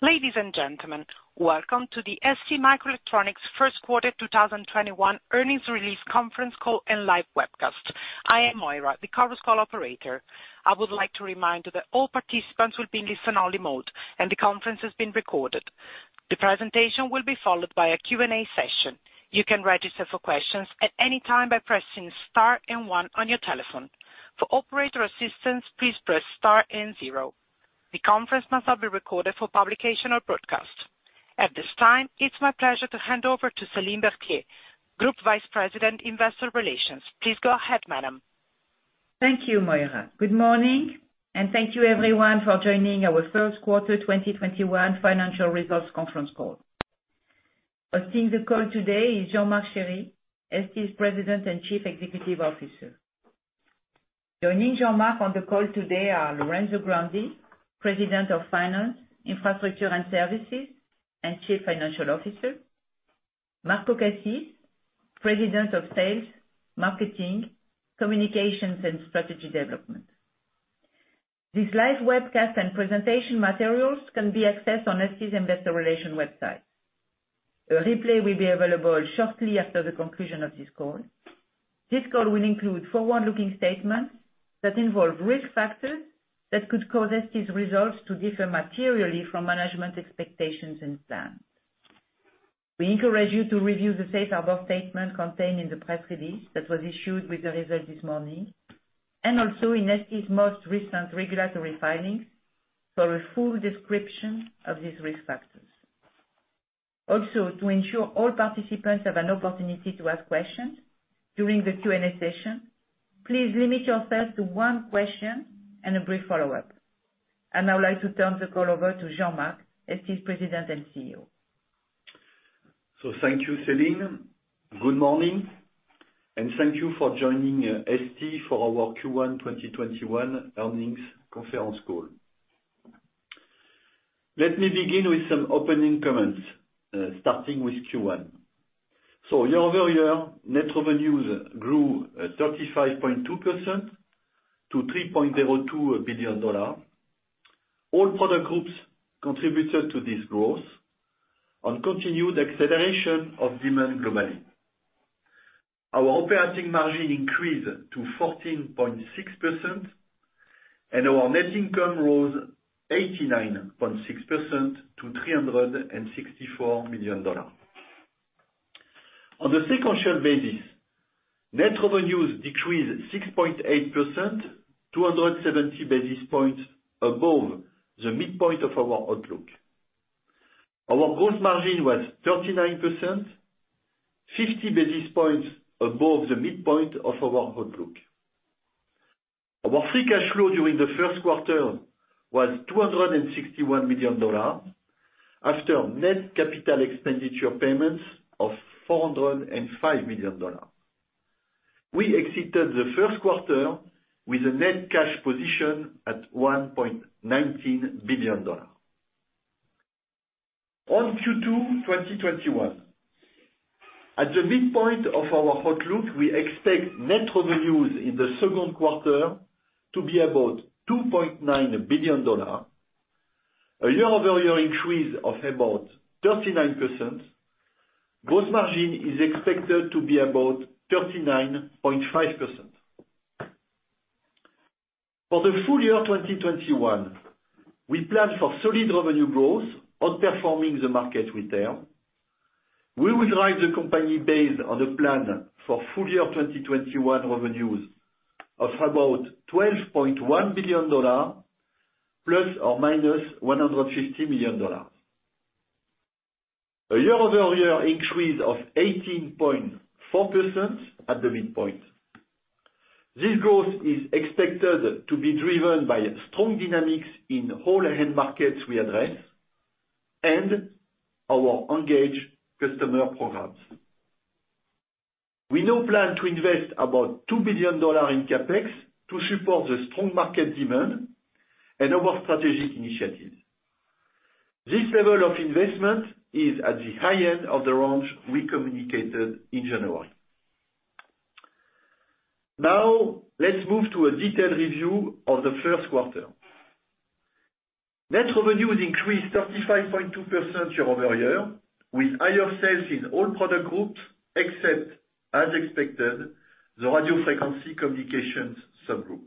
Ladies and gentlemen, welcome to the STMicroelectronics first quarter 2021 earnings release conference call and live webcast. I am Moira, the conference call operator. I would like to remind you that all participants will be in listen only mode and the conference is being recorded. The presentation will be followed by a Q&A session. You can register for questions at any time by pressing star and one on your telephone. For operator assistance, please press star and zero. The conference must not be recorded for publication or broadcast. At this time, it's my pleasure to hand over to Céline Berthier, Group Vice President, Investor Relations. Please go ahead, madam. Thank you, Moira. Good morning and thank you everyone for joining our first quarter 2021 financial results conference call. Hosting the call today is Jean-Marc Chéry, ST's President and Chief Executive Officer. Joining Jean-Marc on the call today are Lorenzo Grandi, President of Finance, Infrastructure and Services, and Chief Financial Officer, Marco Cassis, President of Sales, Marketing, Communications, and Strategy Development. This live webcast and presentation materials can be accessed on ST's investor relations website. A replay will be available shortly after the conclusion of this call. This call will include forward-looking statements that involve risk factors that could cause ST's results to differ materially from management expectations and plans. We encourage you to review the safe harbor statement contained in the press release that was issued with the results this morning, and also in ST's most recent regulatory filings for a full description of these risk factors. Also, to ensure all participants have an opportunity to ask questions during the Q&A session, please limit yourself to one question and a brief follow-up. I now like to turn the call over to Jean-Marc, ST's President and CEO. Thank you, Céline. Good morning, and thank you for joining ST for our Q1 2021 earnings conference call. Let me begin with some opening comments, starting with Q1. Year-over-year, net revenues grew 35.2% to $3.02 billion. All product groups contributed to this growth on continued acceleration of demand globally. Our operating margin increased to 14.6%, and our net income rose 89.6% to $364 million. On the sequential basis, net revenues decreased 6.8%, 270 basis points above the midpoint of our outlook. Our gross margin was 39%, 50 basis points above the midpoint of our outlook. Our free cash flow during the first quarter was $261 million, after net capital expenditure payments of $405 million. We exited the first quarter with a net cash position at $1.19 billion. On Q2 2021, at the midpoint of our outlook, we expect net revenues in the second quarter to be about $2.9 billion, a year-over-year increase of about 39%. Gross margin is expected to be about 39.5%. For the full year 2021, we plan for solid revenue growth outperforming the market retail. We will drive the company based on the plan for full year 2021 revenues of about $12.1 billion ±$150 million. A year-over-year increase of 18.4% at the midpoint. This growth is expected to be driven by strong dynamics in all end markets we address, and our engaged customer programs. We now plan to invest about $2 billion in CapEx to support the strong market demand and our strategic initiatives. This level of investment is at the high end of the range we communicated in January. Now, let's move to a detailed review of the first quarter. Net revenues increased 35.2% year-over-year, with higher sales in all product groups except, as expected, the radio frequency communications subgroup.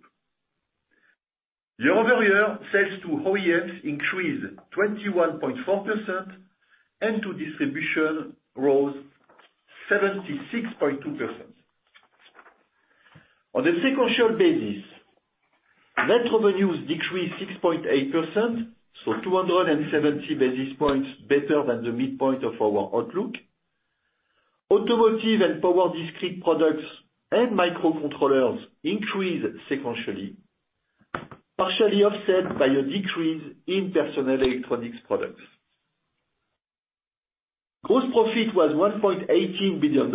Year-over-year, sales to OEMs increased 21.4% and to distribution rose 76.2%. On the sequential basis, net revenues decreased 6.8%, 270 basis points better than the midpoint of our outlook. Automotive and power discrete products and microcontrollers increased sequentially, partially offset by a decrease in personal electronics products. Gross profit was $1.18 billion,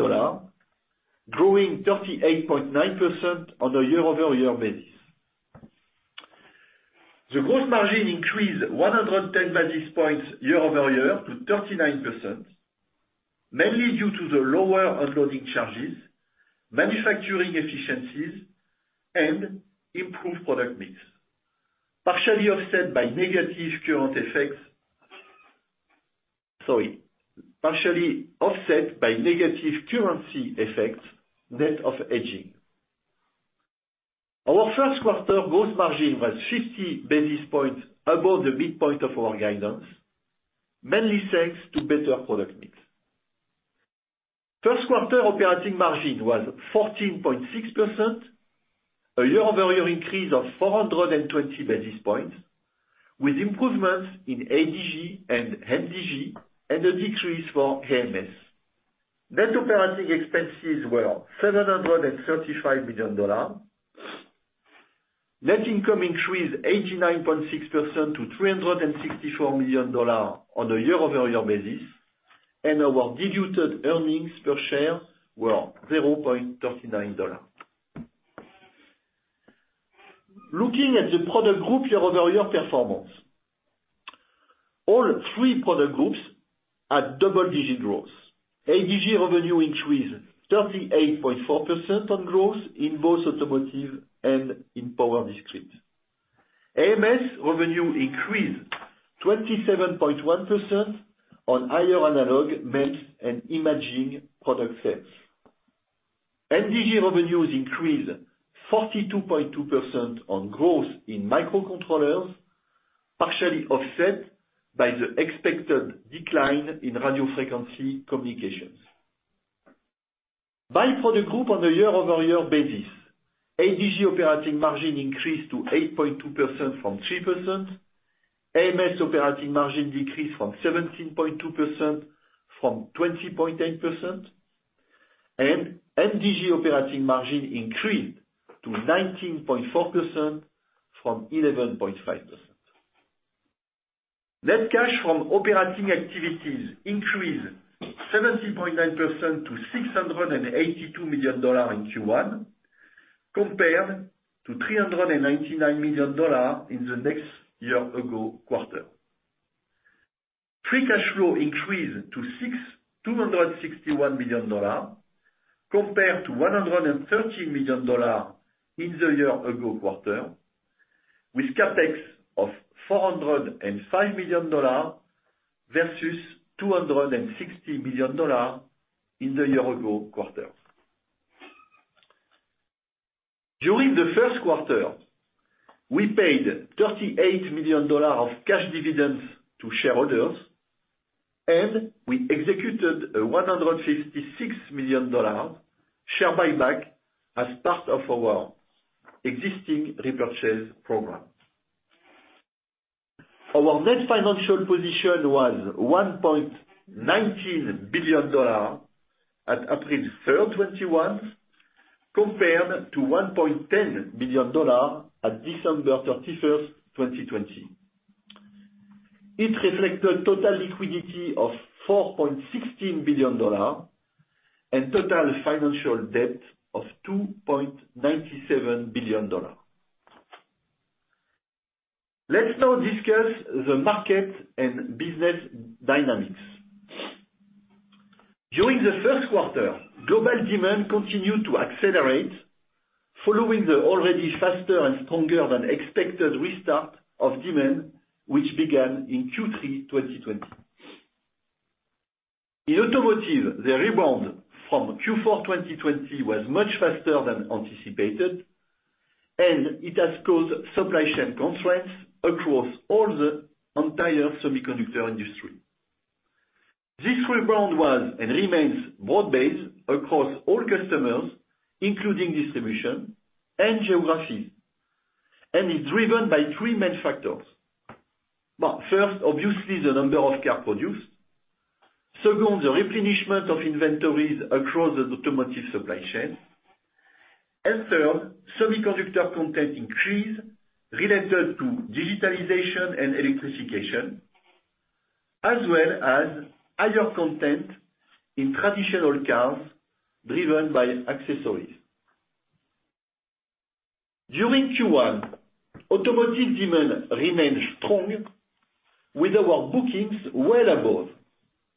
growing 38.9% on a year-over-year basis. The gross margin increased 110 basis points year-over-year to 39%. Mainly due to the lower unloading charges, manufacturing efficiencies, and improved product mix, partially offset by negative currency effects, net of hedging. Our first quarter gross margin was 50 basis points above the midpoint of our guidance, mainly thanks to better product mix. First quarter operating margin was 14.6%, a year-over-year increase of 420 basis points, with improvements in ADG and MDG and a decrease for AMS. Net operating expenses were $735 million. Net income increased 89.6% to $364 million on a year-over-year basis, and our diluted earnings per share were $0.39. Looking at the product group year-over-year performance, all three product groups had double-digit growth. ADG revenue increased 38.4% on growth in both automotive and in power discrete. AMS revenue increased 27.1% on higher analog, mixed, and imaging product sales. MDG revenues increased 42.2% on growth in microcontrollers, partially offset by the expected decline in radio frequency communications. By product group on a year-over-year basis, ADG operating margin increased to 8.2% from 3%. AMS operating margin decreased from 17.2% from 20.8%, and MDG operating margin increased to 19.4% from 11.5%. Net cash from operating activities increased 70.9% to $682 million in Q1, compared to $399 million in the year-ago quarter. Free cash flow increased to $261 million compared to $130 million in the year-ago quarter, with CapEx of $405 million versus $260 million in the year-ago quarter. During the first quarter, we paid $38 million of cash dividends to shareholders, and we executed a $156 million share buyback as part of our existing repurchase program. Our net financial position was $1.19 billion at April 3rd, 2021, compared to $1.10 billion at December 31st, 2020. It reflected total liquidity of $4.16 billion and total financial debt of $2.97 billion. Let's now discuss the market and business dynamics. During the first quarter, global demand continued to accelerate following the already faster and stronger than expected restart of demand, which began in Q3 2020. In automotive, the rebound from Q4 2020 was much faster than anticipated, and it has caused supply chain constraints across all the entire semiconductor industry. This rebound was, and remains, broad-based across all customers, including distribution and geography, and is driven by three main factors. First, obviously, the number of cars produced. Second, the replenishment of inventories across the automotive supply chain. Third, semiconductor content increase related to digitalization and electrification, as well as higher content in traditional cars driven by accessories. During Q1, automotive demand remained strong with our bookings well above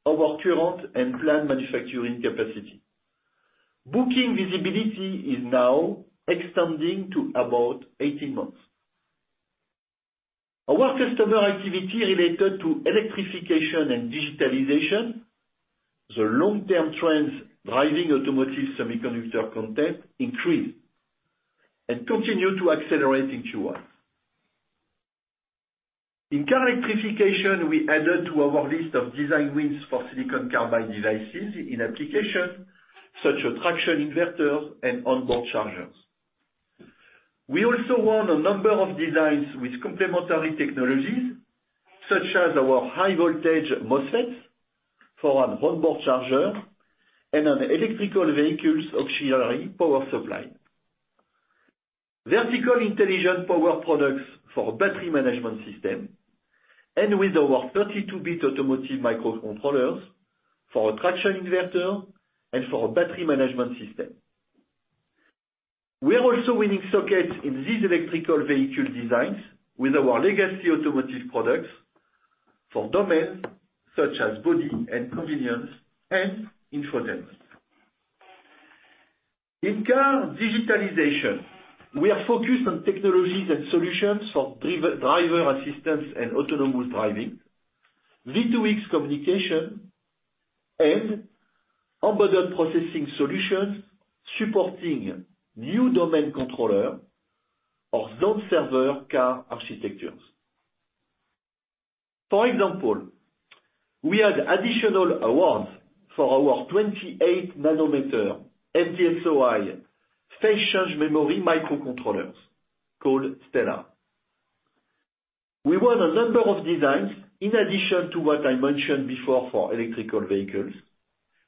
our current and planned manufacturing capacity. Booking visibility is now extending to about 18 months. Our customer activity related to electrification and digitalization, the long-term trends driving automotive semiconductor content increased and continued to accelerate in Q1. In car electrification, we added to our list of design wins for silicon carbide devices in application, such as traction inverters and onboard chargers. We also won a number of designs with complementary technologies, such as our high voltage MOSFETs for an onboard charger and an electrical vehicle's auxiliary power supply. Vertical intelligent power products for battery management system and with our 32-bit automotive microcontrollers for a traction inverter and for a battery management system. We are also winning sockets in these electrical vehicle designs with our legacy automotive products for domains such as body and convenience and infotainment. In car digitalization, we are focused on technologies and solutions for driver assistance and autonomous driving, V2X communication, and embedded processing solutions supporting new domain controller or zone server car architectures. For example, we had additional awards for our 28 nm FD-SOI Phase Change Memory microcontrollers called Stellar. We won a number of designs in addition to what I mentioned before for electrical vehicles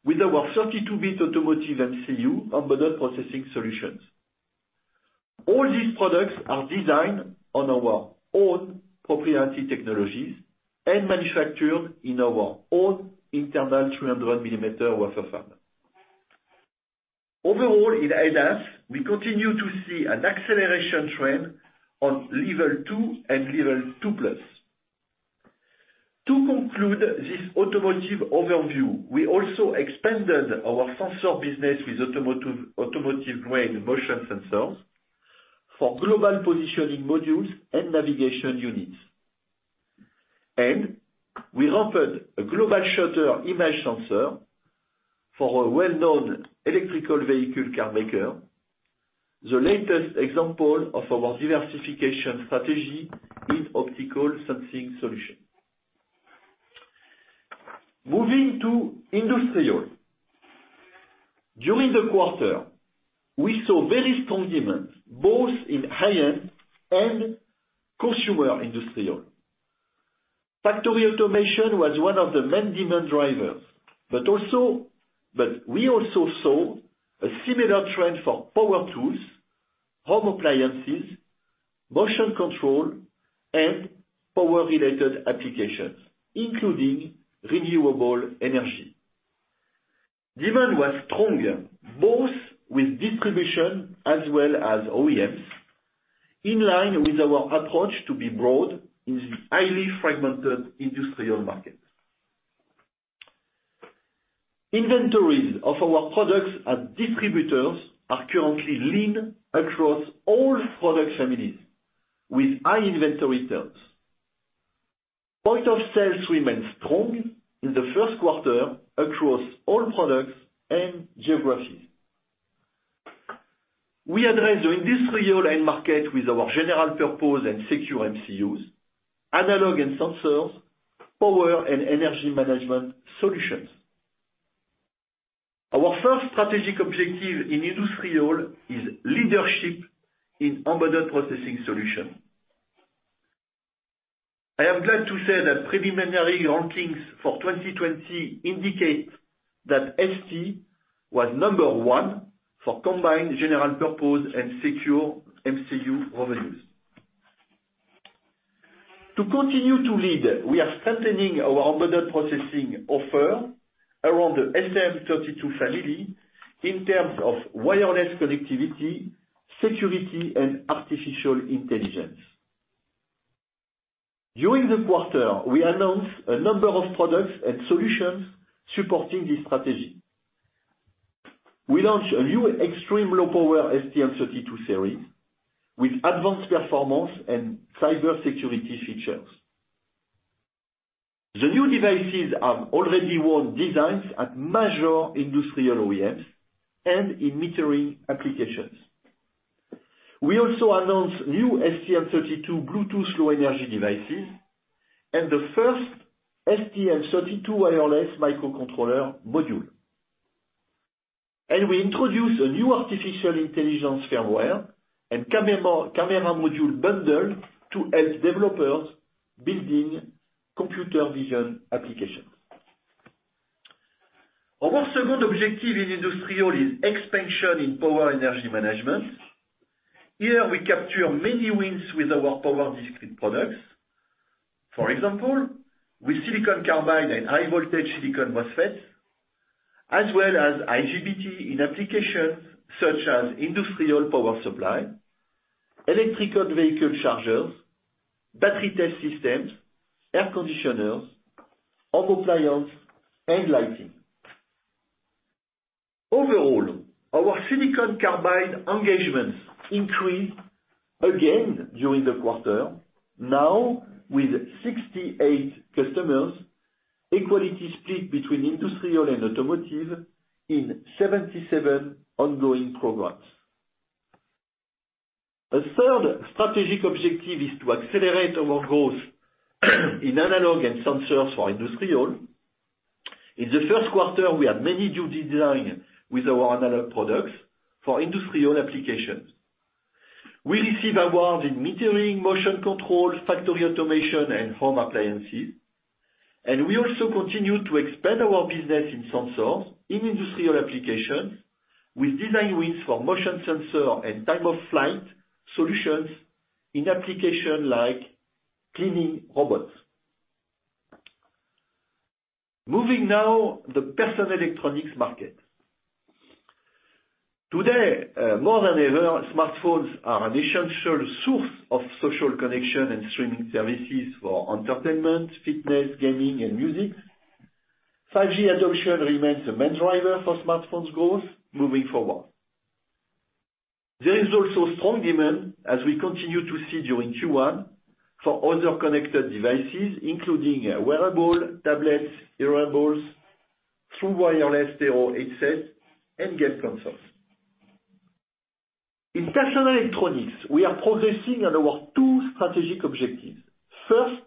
with our 32-bit automotive MCU embedded processing solutions. All these products are designed on our own proprietary technologies and manufactured in our own internal 300 mm wafer fab. Overall, in ADAS, we continue to see an acceleration trend on level 2 and level 2+. To conclude this automotive overview, we also expanded our sensor business with automotive grade motion sensors for global positioning modules and navigation units. We offered a global shutter image sensor for a well-known electrical vehicle car maker, the latest example of our diversification strategy in optical sensing solution. Moving to industrial. During the quarter, we saw very strong demand, both in high-end and consumer industrial. Factory automation was one of the main demand drivers, but we also saw a similar trend for power tools, home appliances, motion control, and power-related applications, including renewable energy. Demand was stronger, both with distribution as well as OEMs, in line with our approach to be broad in the highly fragmented industrial market. Inventories of our products and distributors are currently lean across all product families, with high inventory turns. Point of sales remains strong in the first quarter across all products and geographies. We address the industrial end market with our general purpose and secure MCUs, analog and sensors, power, and energy management solutions. Our first strategic objective in industrial is leadership in embedded processing solution. I am glad to say that preliminary rankings for 2020 indicate that ST was number one for combined general purpose and secure MCU revenues. To continue to lead, we are strengthening our embedded processing offer around the STM32 family in terms of wireless connectivity, security, and artificial intelligence. During the quarter, we announced a number of products and solutions supporting this strategy. We launched a new extreme low power STM32 series with advanced performance and cybersecurity features. The new devices have already won designs at major industrial OEMs and in metering applications. We also announced new STM32 Bluetooth Low Energy devices and the first STM32 wireless microcontroller module. We introduced a new artificial intelligence firmware and camera module bundle to help developers building computer vision applications. Our second objective in industrial is expansion in power energy management. Here, we capture many wins with our power discrete products. For example, with silicon carbide and high voltage silicon MOSFETs, as well as IGBT in applications such as industrial power supply, electrical vehicle chargers, battery test systems, air conditioners, home appliance, and lighting. Overall, our silicon carbide engagements increased again during the quarter, now with 68 customers, equally split between industrial and automotive in 77 ongoing programs. A third strategic objective is to accelerate our growth in analog and sensors for industrial. In the first quarter, we had many new design with our analog products for industrial applications. We receive awards in metering, motion control, factory automation, and home appliances, and we also continue to expand our business in sensors in industrial applications with design wins for motion sensor and Time-of-Flight solutions in application like cleaning robots. Moving now, the personal electronics market. Today, more than ever, smartphones are an essential source of social connection and streaming services for entertainment, fitness, gaming, and music. 5G adoption remains the main driver for smartphone growth moving forward. There is also strong demand, as we continue to see during Q1, for other connected devices, including wearable tablets, hearables, True Wireless Stereo headsets, and game consoles. In personal electronics, we are progressing on our two strategic objectives. First,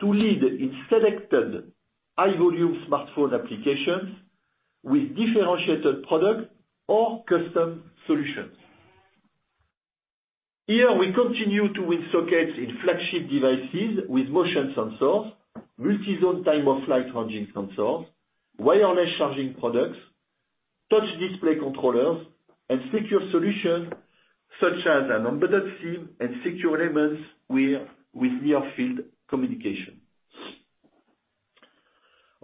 to lead in selected high-volume smartphone applications with differentiated product or custom solutions. Here, we continue to win sockets in flagship devices with motion sensors, multi-zone Time-of-Flight imaging sensors, wireless charging products, touch display controllers, and secure solutions such as an embedded SIM and secure elements with near-field communication.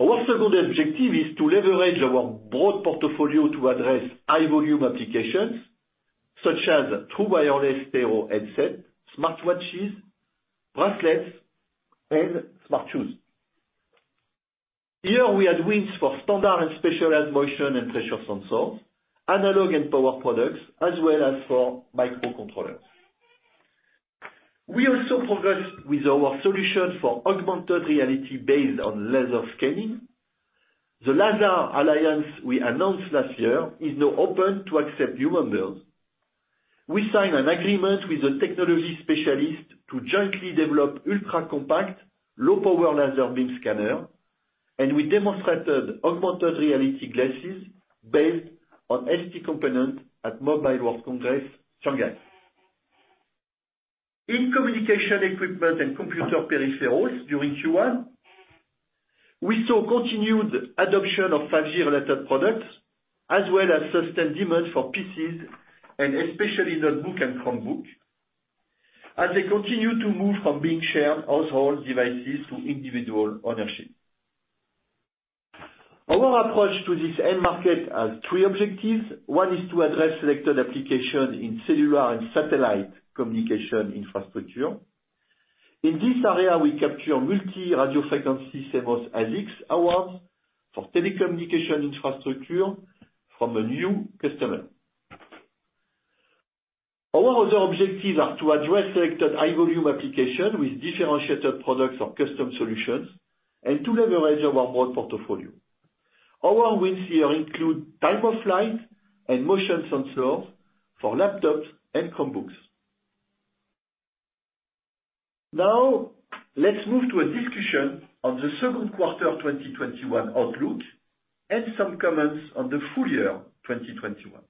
Our second objective is to leverage our broad portfolio to address high-volume applications such as True Wireless Stereo headsets, smartwatches, bracelets, and smart shoes. Here, we had wins for standard and specialized motion and pressure sensors, analog and power products, as well as for microcontrollers. We also progressed with our solution for augmented reality based on laser scanning. The LaSAR Alliance we announced last year is now open to accept new members. We signed an agreement with a technology specialist to jointly develop ultra-compact, low-power laser beam scanner. We demonstrated augmented reality glasses based on ST component at Mobile World Congress Shanghai. In communication equipment and computer peripherals during Q1, we saw continued adoption of 5G related products, as well as sustained demand for PCs, and especially notebook and Chromebook, as they continue to move from being shared household devices to individual ownership. Our approach to this end market has three objectives. One is to address selected applications in cellular and satellite communication infrastructure. In this area, we capture multi-radio frequency CMOS ICs awards for telecommunication infrastructure from a new customer. Our other objectives are to address selected high-volume application with differentiated products or custom solutions, and to leverage our broad portfolio. Our wins here include Time-of-Flight and motion sensors for laptops and Chromebooks. Now, let's move to a discussion on the second quarter 2021 outlook and some comments on the full year 2021.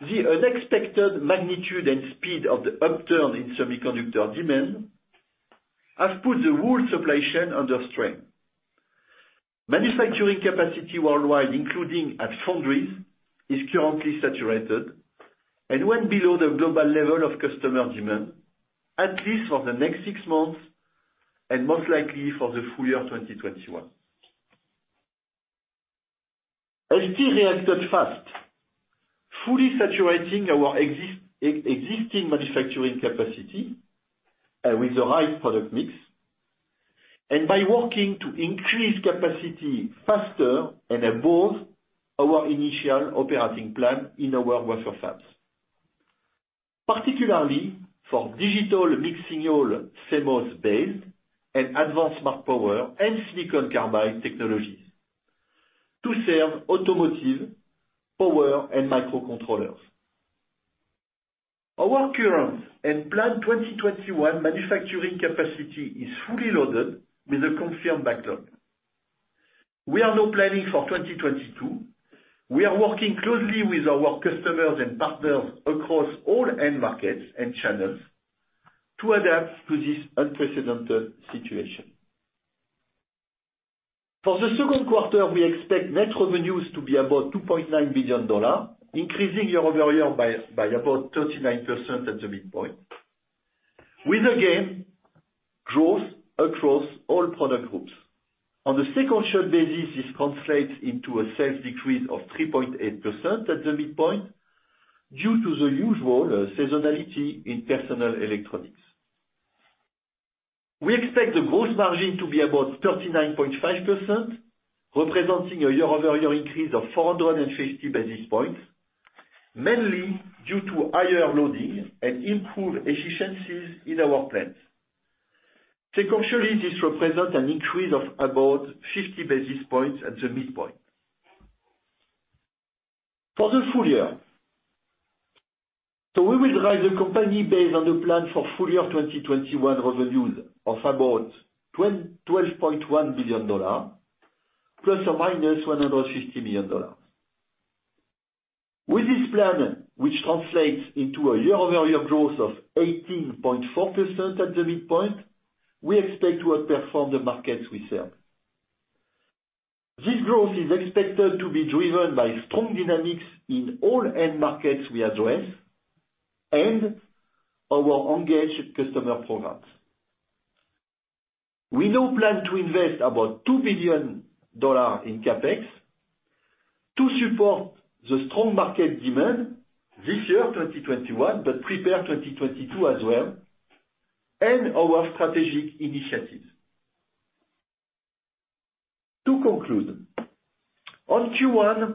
The unexpected magnitude and speed of the upturn in semiconductor demand has put the raw supply chain under strain. Manufacturing capacity worldwide, including at foundries, is currently saturated and when below the global level of customer demand, at least for the next six months, and most likely for the full year 2021. ST reacted fast, fully saturating our existing manufacturing capacity, with the right product mix, by working to increase capacity faster and above our initial operating plan in our wafer fabs. Particularly for digital mixed-signal CMOS-based and advanced power and silicon carbide technologies to serve automotive, power, and microcontrollers. Our current and planned 2021 manufacturing capacity is fully loaded with a confirmed backlog. We are now planning for 2022. We are working closely with our customers and partners across all end markets and channels to adapt to this unprecedented situation. For the second quarter, we expect net revenues to be about $2.9 billion, increasing year-over-year by about 39% at the midpoint, with again, growth across all product groups. On the sequential basis, this translates into a sales decrease of 3.8% at the midpoint due to the usual seasonality in personal electronics. We expect the gross margin to be about 39.5%, representing a year-over-year increase of 450 basis points, mainly due to higher loading and improved efficiencies in our plants. Sequentially, this represents an increase of about 50 basis points at the midpoint. For the full year, we will guide the company based on the plan for full year 2021 revenues of about $12.1 billion, ±$150 million. With this plan, which translates into a year-over-year growth of 18.4% at the midpoint, we expect to outperform the markets we serve. This growth is expected to be driven by strong dynamics in all end markets we address and our engaged customer programs. We now plan to invest about $2 billion in CapEx to support the strong market demand this year, 2021, but prepare 2022 as well, and our strategic initiatives. To conclude, on Q1,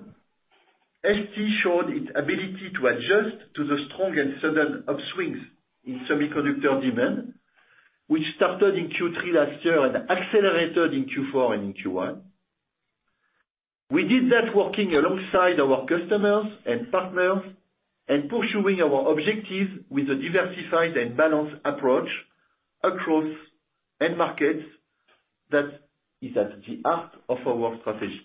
STMicroelectronics showed its ability to adjust to the strong and sudden upswings in semiconductor demand, which started in Q3 last year and accelerated in Q4 and in Q1. We did that working alongside our customers and partners and pursuing our objectives with a diversified and balanced approach across end markets that is at the heart of our strategy.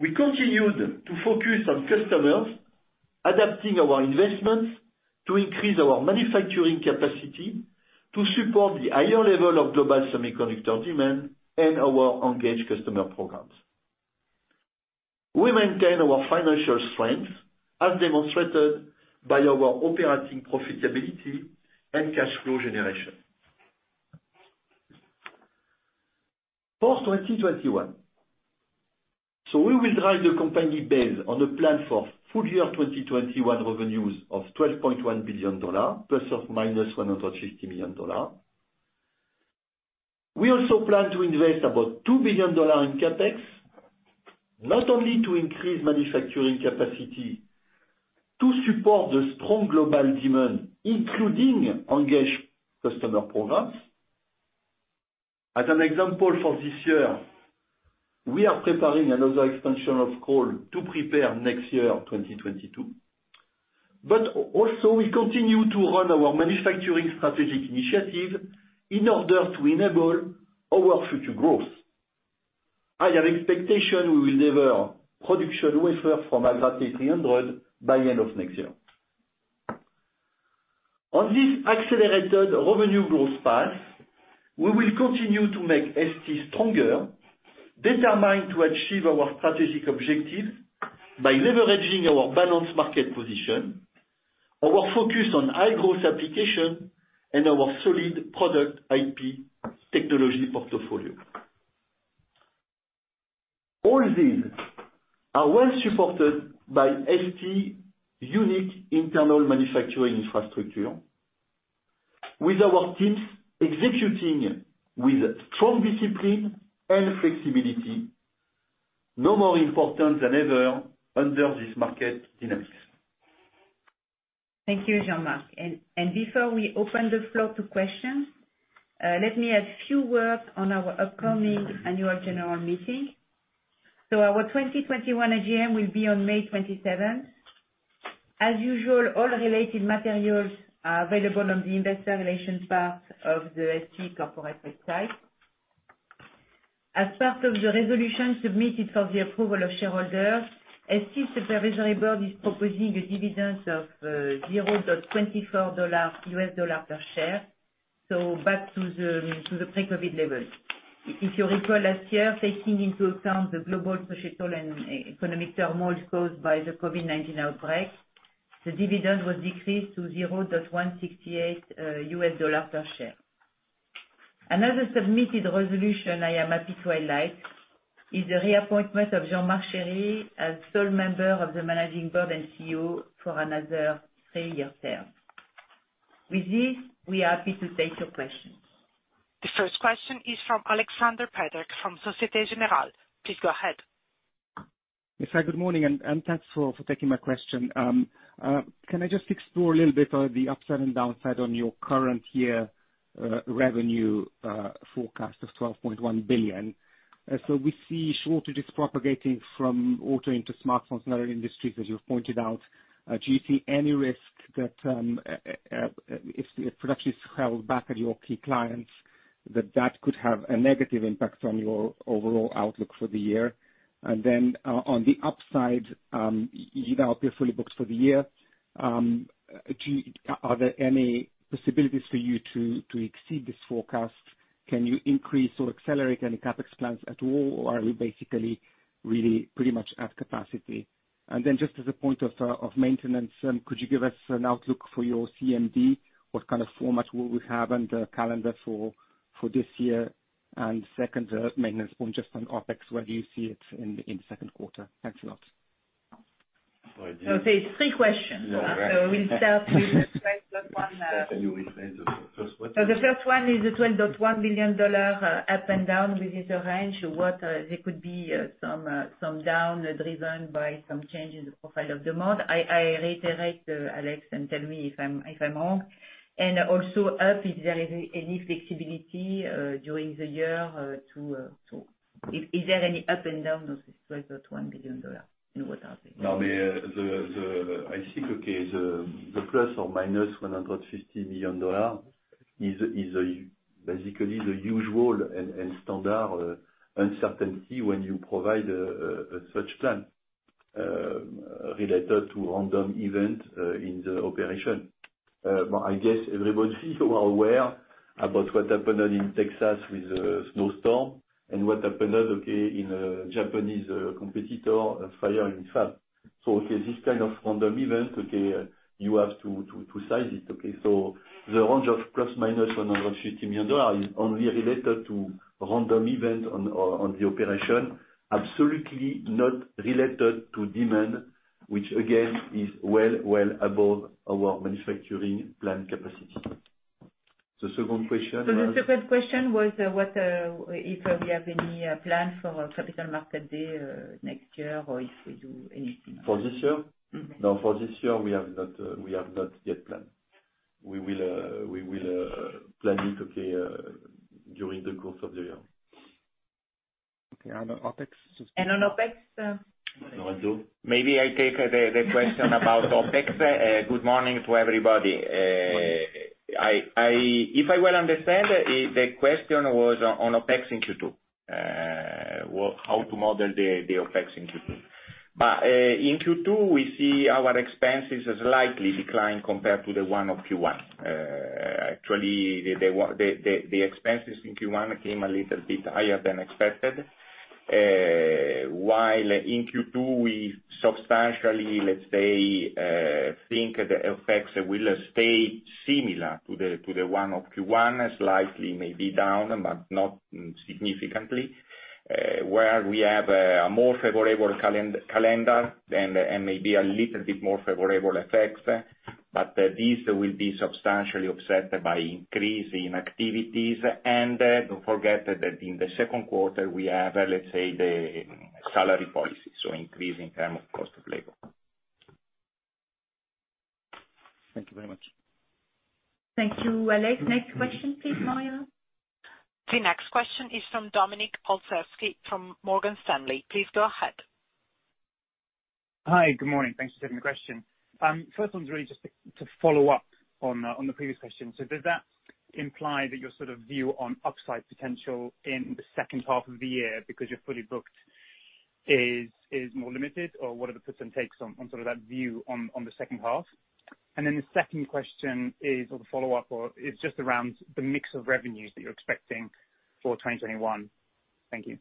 We continued to focus on customers, adapting our investments to increase our manufacturing capacity to support the higher level of global semiconductor demand and our engaged customer programs. We maintain our financial strength as demonstrated by our operating profitability and cash flow generation. For 2021, we will drive the company based on a plan for full year 2021 revenues of $12.1 billion ± $150 million. We also plan to invest about $2 billion in CapEx, not only to increase manufacturing capacity to support the strong global demand, including engaged customer programs. As an example, for this year, we are preparing another expansion of Crolles to prepare next year, 2022. Also, we continue to run our manufacturing strategic initiative in order to enable our future growth. I have expectation we will deliver production wafer from Agrate 300 by end of next year. On this accelerated revenue growth path, we will continue to make ST stronger, determined to achieve our strategic objective by leveraging our balanced market position, our focus on high-growth application, and our solid product IP technology portfolio. All these are well supported by ST unique internal manufacturing infrastructure, with our teams executing with strong discipline and flexibility, no more important than ever under this market index. Thank you, Jean-Marc. Before we open the floor to questions, let me add few words on our upcoming annual general meeting. Our 2021 AGM will be on May 27th. As usual, all related materials are available on the investor relations part of the ST corporate website. As part of the resolution submitted for the approval of shareholders, ST supervisory board is proposing a dividend of $0.24 per share. Back to the pre-COVID levels. If you recall last year, taking into account the global societal and economic turmoil caused by the COVID-19 outbreak, the dividend was decreased to $0.168 per share. Another submitted resolution I am happy to highlight is the reappointment of Jean-Marc Chéry as sole member of the Managing Board. With this, we're happy to take your question. The first question is from Alexander Peterc from Societe Generale. Please go ahead. Hi, good morning, and thanks for taking my question. Can I just explore a little bit on the upside and downside on your current year revenue forecast of $12.1 billion? We see shortages propagating from auto into smartphones and other industries, as you've pointed out. Do you see any risk that if production is held back at your key clients, that that could have a negative impact on your overall outlook for the year? On the upside, you now appear fully booked for the year. Are there any possibilities for you to exceed this forecast? Can you increase or accelerate any CapEx plans at all, or are we basically really pretty much at capacity? Just as a point of maintenance, could you give us an outlook for your CMD? What kind of format will we have and the calendar for this year? Second maintenance point just on OpEx, where do you see it in second quarter? Thanks a lot. Okay, three questions. We'll start with the first one. Can you repeat the first question? The first one is the $12.1 billion up and down within the range. There could be some down driven by some change in the profile of demand. I reiterate, Alex, and tell me if I'm wrong. Also up, if there is any flexibility during the year. Is there any up and down of this $12.1 billion? What are they? No, I think, the ±$150 million is basically the usual and standard uncertainty when you provide such plan. Related to random event in the operation. I guess everybody is aware about what happened in Texas with the snowstorm and what happened in a Japanese competitor, a fire in fab. This kind of random event, you have to size it. The range of ±$150 million is only related to random event on the operation. Absolutely not related to demand, which, again, is well above our manufacturing plan capacity. The second question was? The second question was if we have any plan for our capital market day next year or if we do anything. For this year? No, for this year, we have not yet planned. We will plan it, okay, during the course of the year. Okay. On OpEx. On OpEx? Lorenzo. Maybe I take the question about OpEx. Good morning to everybody. If I well understand, the question was on OpEx in Q2. Well, how to model the OpEx in Q2. In Q2, we see our expenses slightly decline compared to the one of Q1. Actually, the expenses in Q1 came a little bit higher than expected. While in Q2 we substantially, let's say, think the OpEx will stay similar to the one of Q1, slightly maybe down, but not significantly. Where we have a more favorable calendar and maybe a little bit more favorable OpEx, this will be substantially offset by increase in activities. Don't forget that in the second quarter we have, let's say, the salary policy, so increase in terms of cost of labor. Thank you very much. Thank you, Alex. Next question, please, Moira. The next question is from Dominik Olszewski from Morgan Stanley. Please go ahead. Hi. Good morning. Thanks for taking the question. First one's really just to follow up on the previous question. Does that imply that your sort of view on upside potential in the second half of the year, because you're fully booked, is more limited? What are the puts and takes on sort of that view on the second half? The second question is, or the follow-up, is just around the mix of revenues that you're expecting for 2021. Thank you.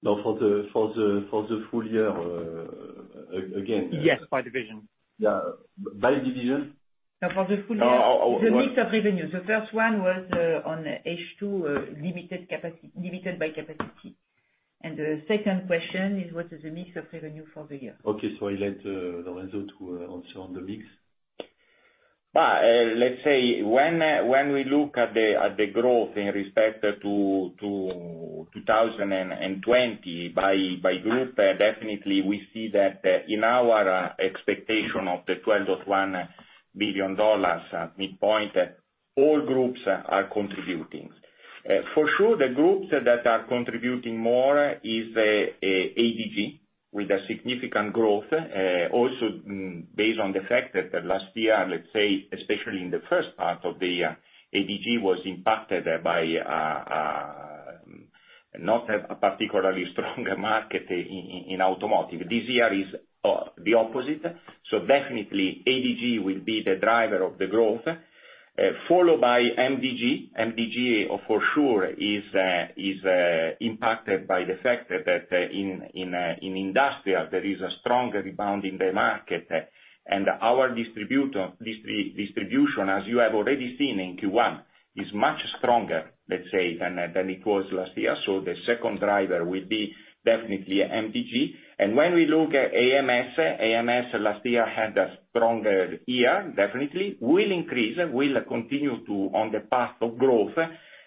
No, for the full year, again. Yes, by division. Yeah. By division? No, for the full year. The mix of revenue. The first one was on H2 limited by capacity. The second question is what is the mix of revenue for the year? Okay. I let Lorenzo to answer on the mix. Let's say, when we look at the growth in respect to 2020 by group, definitely we see that in our expectation of the $12.1 billion midpoint, all groups are contributing. For sure, the groups that are contributing more is ADG, with a significant growth. Also based on the fact that last year, let's say, especially in the first part of the year, ADG was impacted by not a particularly strong market in automotive. This year is the opposite. Definitely ADG will be the driver of the growth. Followed by MDG. MDG for sure is impacted by the fact that in industrial there is a strong rebound in the market. Our distribution, as you have already seen in Q1, is much stronger, let's say, than it was last year. The second driver will be definitely MDG. When we look at AMS last year had a stronger year, definitely. Will increase, will continue on the path of growth.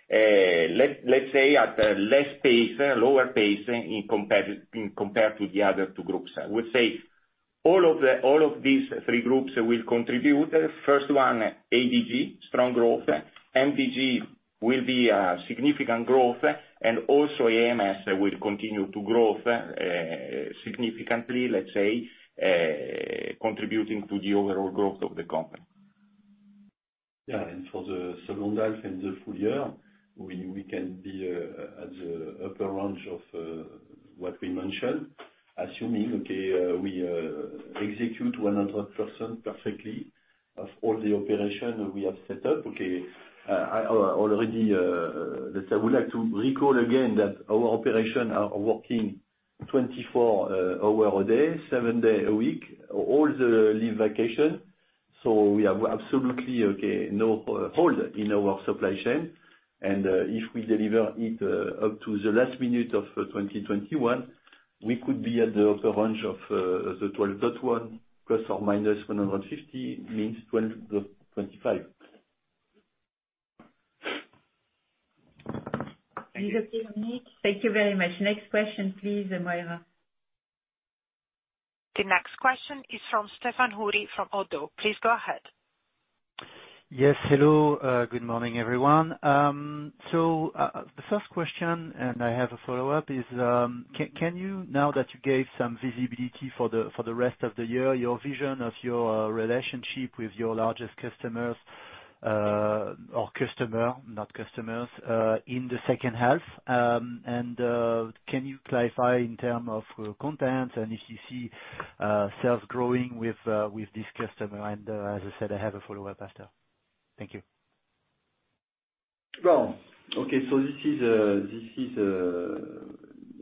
Let's say at less pace, lower pace compared to the other two groups. I would say all of these three groups will contribute. First one, ADG, strong growth. MDG will be a significant growth, and also AMS will continue to grow significantly, let's say, contributing to the overall growth of the company. Yeah. And for the second half and the full year, we can be at the upper range of what we mentioned, assuming, okay, we execute 100% perfectly of all the operation we have set up. Okay. I would like to recall again that our operation are working 24 hour a day, seven day a week, all the leave vacation. We have absolutely, okay, no hole in our supply chain. If we deliver it up to the last minute of 2021, we could be at the range of the $12.1 billion ± $150 million, means $12.25 billion. Thank you, Dominik. Thank you very much. Next question, please, Moira. The next question is from Stéphane Houri from Oddo. Please go ahead. Yes. Hello. Good morning, everyone. The first question, and I have a follow-up, is can you, now that you gave some visibility for the rest of the year, your vision of your relationship with your largest customers or customer, not customers, in the second half. Can you clarify in term of content and if you see sales growing with this customer? As I said, I have a follow-up after. Thank you. This is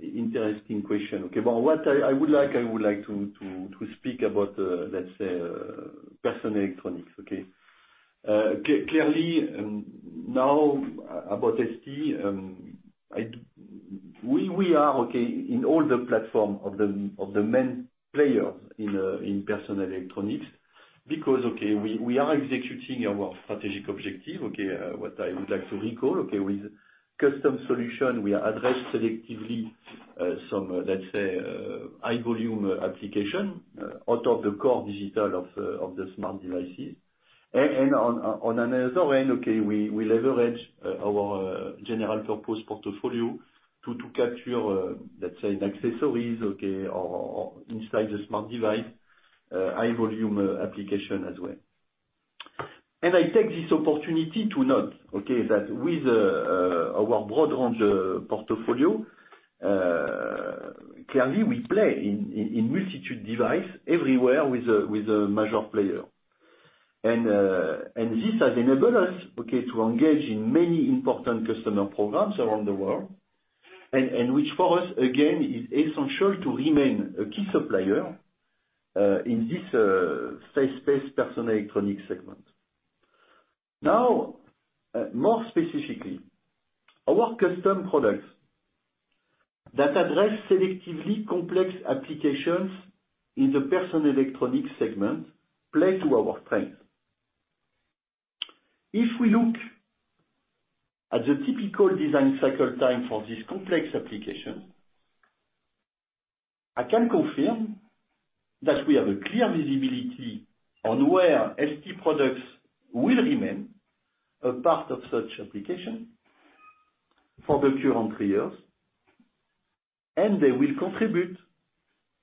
an interesting question. What I would like to speak about personal electronics. About ST, we are in all the platforms of the main players in personal electronics because we are executing our strategic objective. What I would like to recall, with custom solutions, we address selectively some high-volume applications out of the core digital of the smart devices. On another end, we leverage our general-purpose portfolio to capture accessories, or inside the smart device, high volume applications as well. I take this opportunity to note that with our broad range portfolio, clearly, we play in multitude device everywhere with a major player. This has enabled us to engage in many important customer programs around the world, and which for us, again, is essential to remain a key supplier in this safe space personal electronic segment. More specifically, our custom products that address selectively complex applications in the personal electronic segment play to our strength. If we look at the typical design cycle time for this complex application, I can confirm that we have a clear visibility on where ST products will remain a part of such application for the current three years, and they will contribute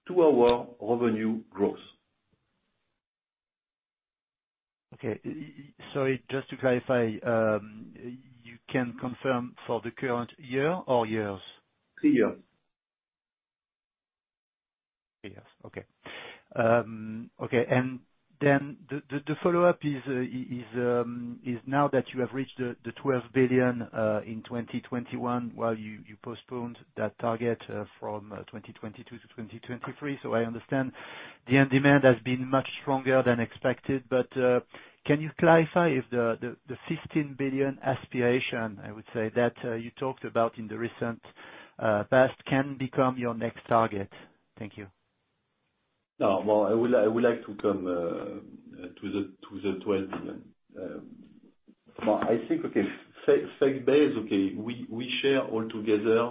to our revenue growth. Okay. Sorry, just to clarify, you can confirm for the current year or years? Three years. Three years, okay. The follow-up is, now that you have reached the $12 billion in 2021, well, you postponed that target from 2022 to 2023. I understand the end demand has been much stronger than expected. Can you clarify if the $15 billion aspiration, I would say that you talked about in the recent past can become your next target? Thank you. No. Well, I would like to come to the $12 billion. I think, okay, fact base, okay, we share all together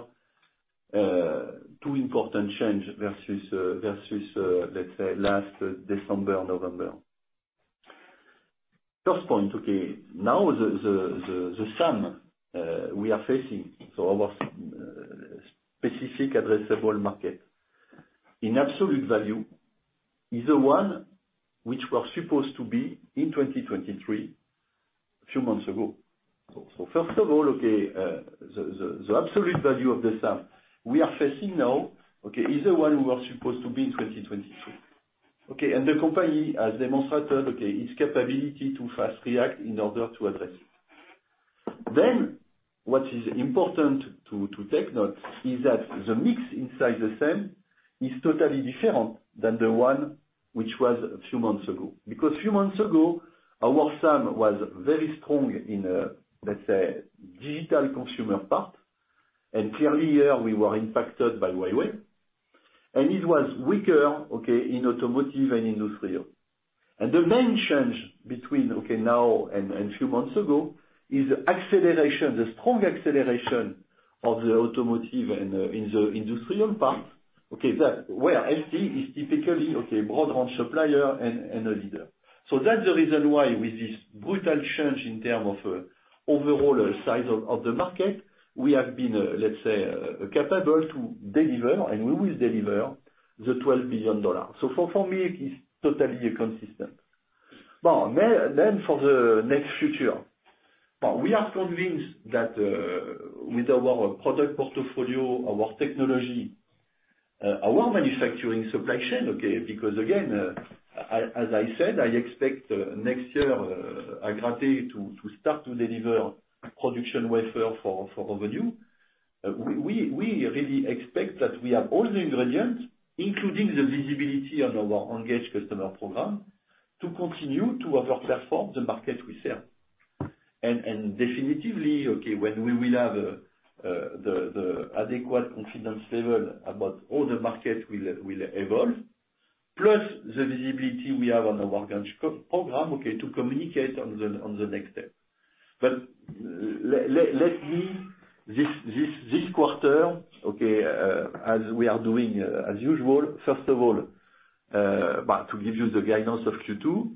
two important change versus let's say last December or November. First point, okay, now the SAM we are facing. Our specific addressable market in absolute value is the one which was supposed to be in 2023 a few months ago. First of all, okay, the absolute value of the SAM we are facing now, okay, is the one we were supposed to be in 2023. Okay, the company has demonstrated, okay, its capability to fast react in order to address it. What is important to take note is that the mix inside the SAM is totally different than the one which was a few months ago. Because few months ago, our SAM was very strong in, let's say, digital consumer part. Clearly here we were impacted by Huawei, and it was weaker in automotive and industrial. The main change between now and few months ago is acceleration, the strong acceleration of the automotive and in the industrial part, where ST is typically broad range supplier and a leader. That's the reason why with this brutal change in terms of overall size of the market, we have been, let's say, capable to deliver, and we will deliver the $12 billion. For me, it is totally inconsistent. For the next future, we are convinced that with our product portfolio, our technology our manufacturing supply chain, because again, as I said, I expect next year, Agrate to start to deliver production wafer for revenue. We really expect that we have all the ingredients, including the visibility on our engaged customer program, to continue to over-perform the market we serve. Definitively, okay, when we will have the adequate confidence level about all the market will evolve, plus the visibility we have on the work program, okay, to communicate on the next step. Let me, this quarter, okay, as we are doing as usual, first of all, to give you the guidance of Q2,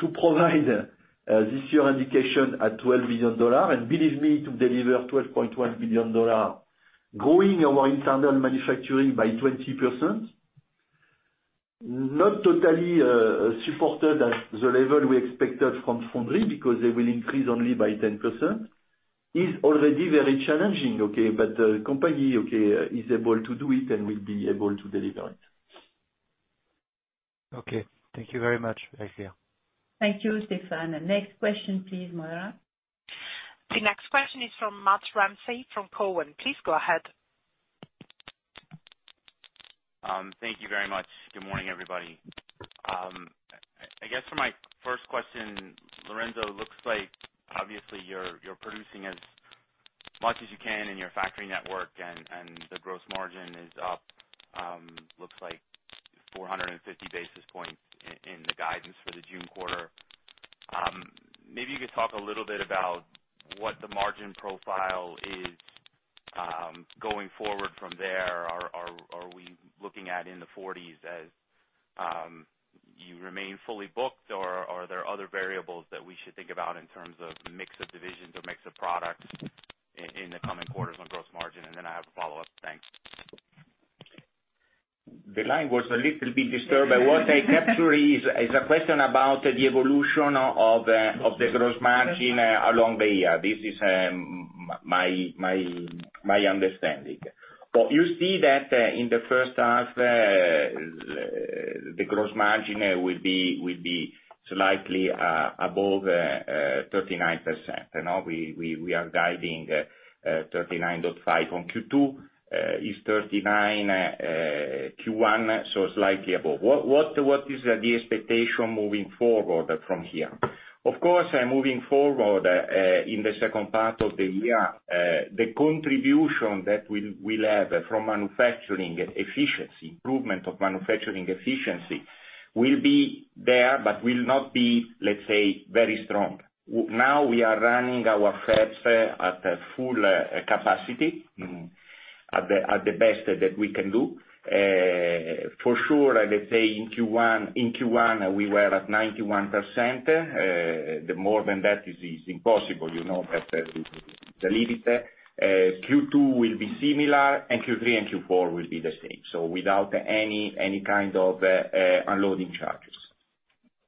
to provide this year indication at $12 billion. Believe me, to deliver $12.1 billion, growing our internal manufacturing by 20%. Not totally supported at the level we expected from foundry, because they will increase only by 10%. Is already very challenging, but the company is able to do it and will be able to deliver it. Okay. Thank you very much, Jean-Marc. Thank you, Stéphane. Next question please, Moira. The next question is from Matt Ramsay from Cowen. Please go ahead. Thank you very much. Good morning, everybody. I guess for my first question, Lorenzo, looks like obviously you're producing as much as you can in your factory network and the gross margin is up, looks like 450 basis points in the guidance for the June quarter. Maybe you could talk a little bit about what the margin profile is going forward from there. Are we looking at in the 40%s as you remain fully booked, or are there other variables that we should think about in terms of mix of divisions or mix of products in the coming quarters on gross margin? I have a follow-up. Thanks. The line was a little bit disturbed. What I capture is a question about the evolution of the gross margin along the year. This is my understanding. You see that in the first half, the gross margin will be slightly above 39%. We are guiding 39.5% on Q2, is 39% Q1, so slightly above. What is the expectation moving forward from here? Of course, moving forward, in the second part of the year, the contribution that we'll have from improvement of manufacturing efficiency will be there, but will not be, let's say, very strong. Now we are running our fabs at a full capacity at the best that we can do. For sure, let's say in Q1 we were at 91%. More than that is impossible, that is the limit. Q2 will be similar, Q3 and Q4 will be the same. Without any kind of underloading charges.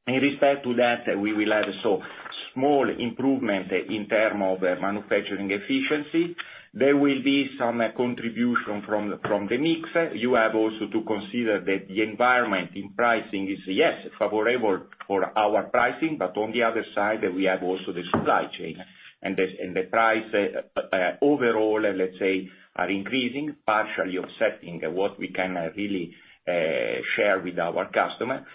In respect to that, we will have small improvement in terms of manufacturing efficiency. There will be some contribution from the mix. You have also to consider that the environment in pricing is, yes, favorable for our pricing, but on the other side, we have also the supply chain. The price overall, let's say, are increasing, partially offsetting what we can really share with our customer.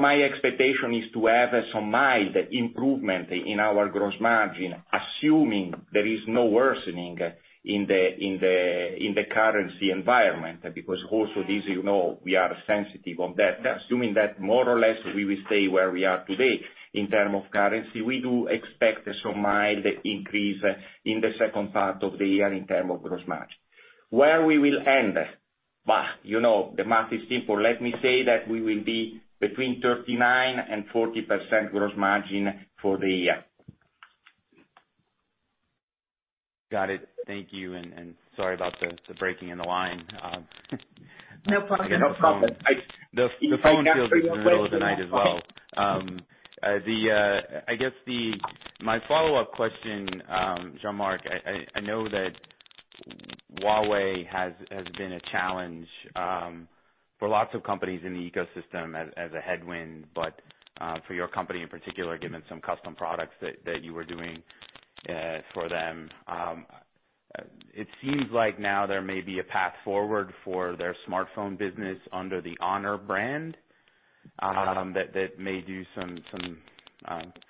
My expectation is to have some mild improvement in our gross margin, assuming there is no worsening in the currency environment. Also this, you know, we are sensitive on that. Assuming that more or less we will stay where we are today in terms of currency, we do expect some mild increase in the second part of the year in terms of gross margin. Where we will end. The math is simple. Let me say that we will be between 39% and 40% gross margin for the year. Got it. Thank you, and sorry about the breaking in the line. No problem. No problem. The phone field has been a little tonight as well. My follow-up question, Jean-Marc, I know that Huawei has been a challenge, for lots of companies in the ecosystem as a headwind, but, for your company in particular, given some custom products that you were doing for them. It seems like now there may be a path forward for their smartphone business under the Honor brand, that may do some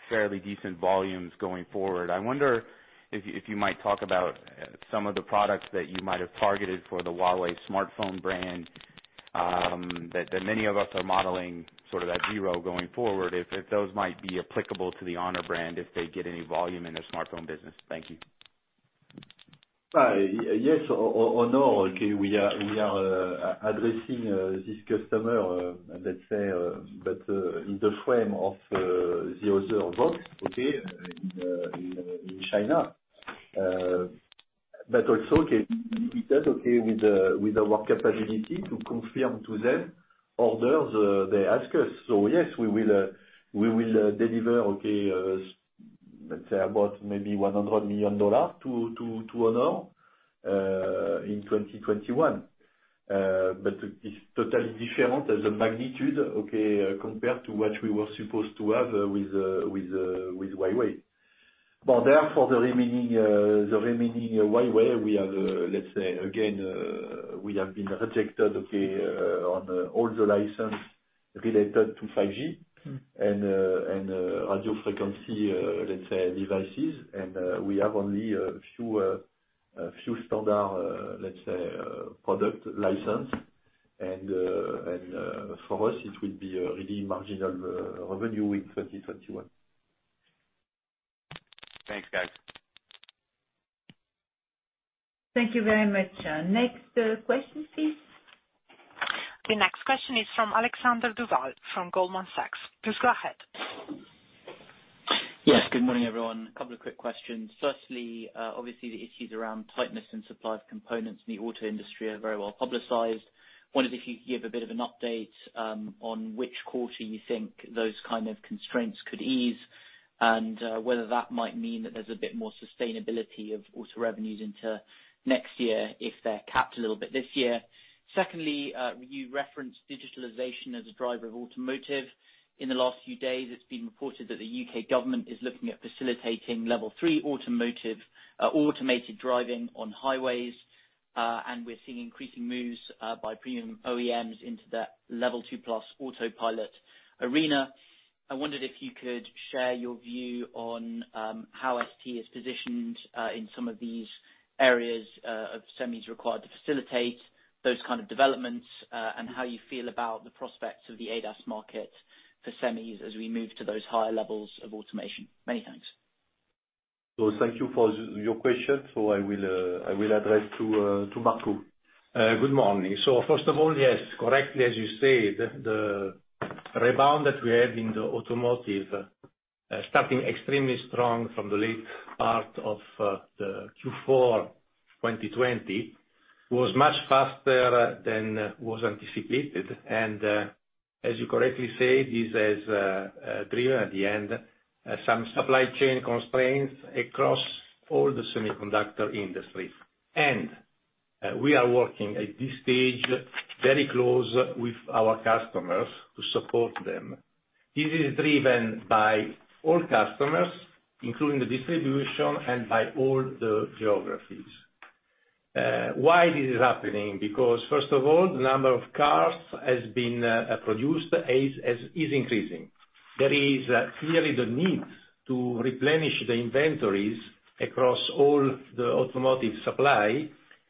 fairly decent volumes going forward. I wonder if you might talk about some of the products that you might have targeted for the Huawei smartphone brand, that many of us are modeling sort of at zero going forward, if those might be applicable to the Honor brand, if they get any volume in their smartphone business. Thank you. Yes. Honor, we are addressing this customer, let's say, in the frame of, in China. Also, with our capability to confirm to them orders they ask us. Yes, we will deliver, let's say about maybe $100 million to Honor in 2021. It's totally different as a magnitude, compared to what we were supposed to have with Huawei. Therefore, the remaining Huawei, we have, let's say again, we have been rejected, on all the license related to 5G and radio frequency, let's say devices, and we have only a few standard product license. For us, it will be a really marginal revenue in 2021. Thanks, guys. Thank you very much. Next question, please. The next question is from Alexander Duval from Goldman Sachs. Please go ahead. Yes. Good morning, everyone. Couple of quick questions. Firstly, obviously, the issues around tightness in supply of components in the auto industry are very well-publicized. I wondered if you could give a bit of an update on which quarter you think those kind of constraints could ease, and whether that might mean that there's a bit more sustainability of auto revenues into next year if they're capped a little bit this year. Secondly, you referenced digitalization as a driver of automotive. In the last few days, it's been reported that the U.K. government is looking at facilitating level 3 automotive automated driving on highways. We're seeing increasing moves by premium OEMs into that level 2+ autopilot arena. I wondered if you could share your view on how ST is positioned in some of these areas of semis required to facilitate those kind of developments. How you feel about the prospects of the ADAS market for semis as we move to those higher levels of automation. Many thanks. Thank you for your question. I will address to Marco. Good morning. First of all, yes, correctly as you said, the rebound that we had in the automotive, starting extremely strong from the late part of the Q4 2020, was much faster than was anticipated. As you correctly said, this has driven, at the end, some supply chain constraints across all the semiconductor industry. We are working at this stage very close with our customers to support them. This is driven by all customers, including the distribution and by all the geographies. Why this is happening? First of all, the number of cars that has been produced is increasing. There is clearly the need to replenish the inventories across all the automotive supply.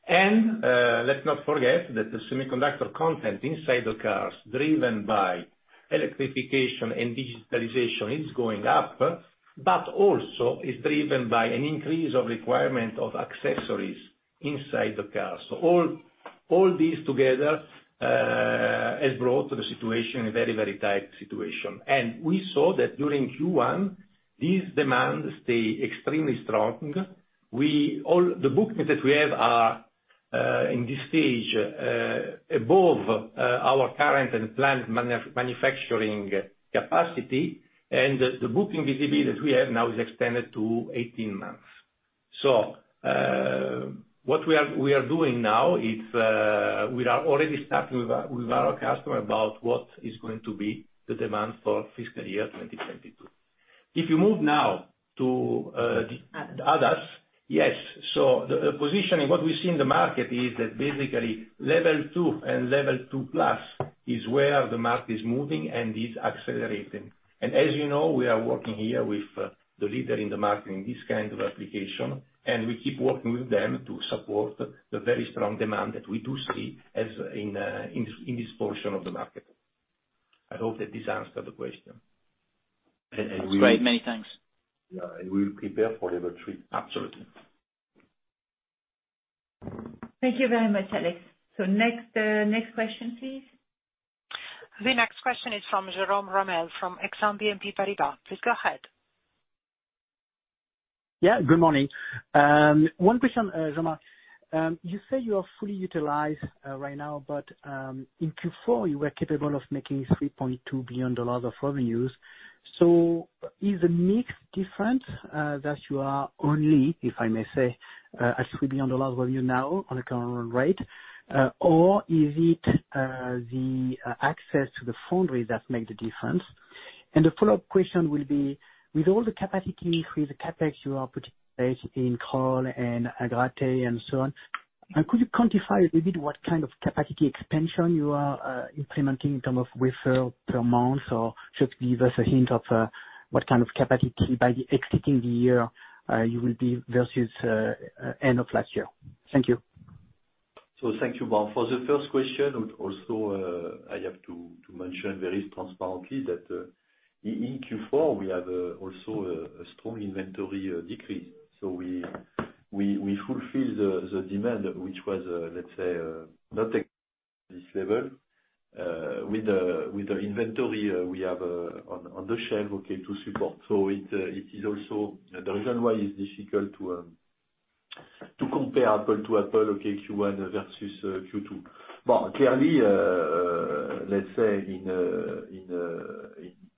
Let's not forget that the semiconductor content inside the cars, driven by electrification and digitalization, is going up, but also is driven by an increase of requirement of accessories inside the cars. All this together has brought the situation a very tight situation. We saw that during Q1, these demands stay extremely strong. The bookings that we have are, in this stage, above our current and planned manufacturing capacity. The booking visibility that we have now is extended to 18 months. What we are doing now is, we are already starting with our customer about what is going to be the demand for fiscal year 2022. If you move now to ADAS. Yes, the positioning, what we see in the market is that basically level 2 and level 2+ is where the market is moving and is accelerating. As you know, we are working here with the leader in the market in this kind of application, and we keep working with them to support the very strong demand that we do see in this portion of the market. I hope that this answered the question. That's great. Many thanks. Yeah, and we're prepared for level 3. Absolutely. Thank you very much, Alex. Next question, please. The next question is from Jérôme Ramel of Exane BNP Paribas. Please go ahead. Good morning. One question, Jean-Marc. You say you are fully utilized right now, in Q4, you were capable of making $3.2 billion of revenues. Is the mix different that you are only, if I may say, at $3 billion revenue now on a current run rate? Is it the access to the foundry that make the difference? The follow-up question will be, with all the capacity increase, the CapEx you are participating in Crolles and Agrate, and so on, could you quantify a bit what kind of capacity expansion you are implementing in terms of wafer per month? Just give us a hint of what kind of capacity by exiting the year you will be versus end of last year. Thank you. Thank you. Well, for the first question, also, I have to mention very transparently that in Q4, we have also a strong inventory decrease. We fulfill the demand, which was, let's say, not at this level, with the inventory we have on the shelf to support. The reason why it's difficult to compare apple-to-apple, Q1 versus Q2. Well, clearly, let's say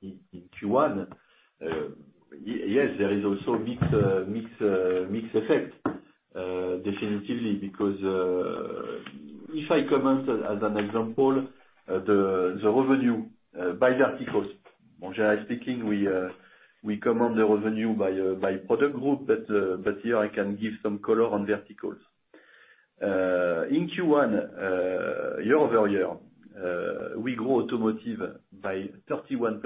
in Q1, yes, there is also mix effect, definitively. Because if I comment as an example, the revenue by verticals. Generally speaking, we comment the revenue by product group, but here I can give some color on verticals. In Q1, year-over-year, we grow automotive by 31%.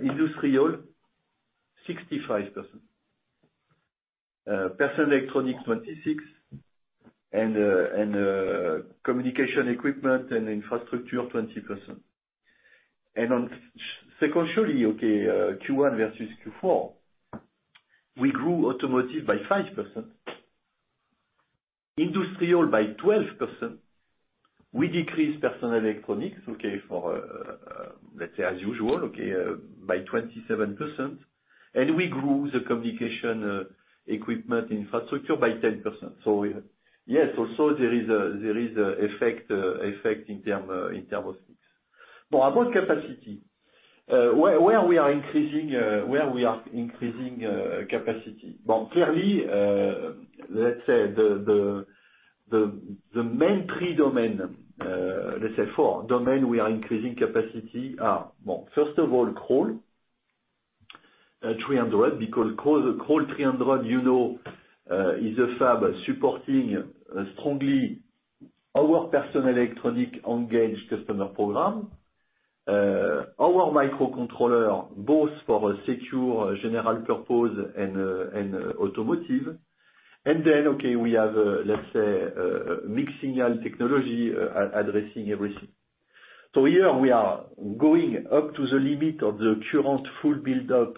Industrial, 65%. Personal electronics, 26%. Communication equipment and infrastructure, 20%. Sequentially, Q1 versus Q4, we grew automotive by 5% Industrial by 12%. We decrease personal electronics, let's say as usual, by 27%. We grew the communication equipment infrastructure by 10%. Yes, also there is effect in term of mix. About capacity. Where we are increasing capacity. Clearly, let's say the main three domain, let's say four domain we are increasing capacity are, first of all, Crolles 300, because Crolles 300 is a fab supporting strongly our personal electronics engaged customer program. Our microcontroller, both for secure general purpose and automotive. Then, okay, we have a, let's say, mixed signal technology addressing everything. Here we are going up to the limit of the current full build-up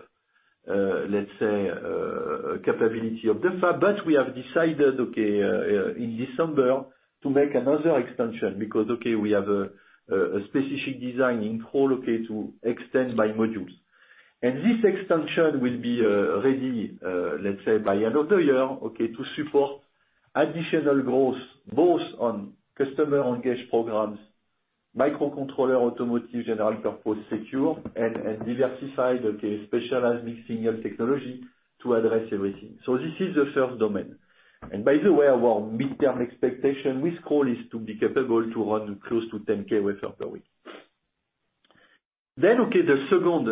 capability of the fab, but we have decided, in December, to make another extension because we have a specific design in Crolles to extend by modules. This extension will be ready by end of the year to support additional growth, both on customer engaged programs, microcontroller automotive, general purpose, secure, and diversified specialized mixed-signal technology to address everything. This is the first domain. By the way, our midterm expectation with Crolles is to be capable to run close to 10K wafers per week. The second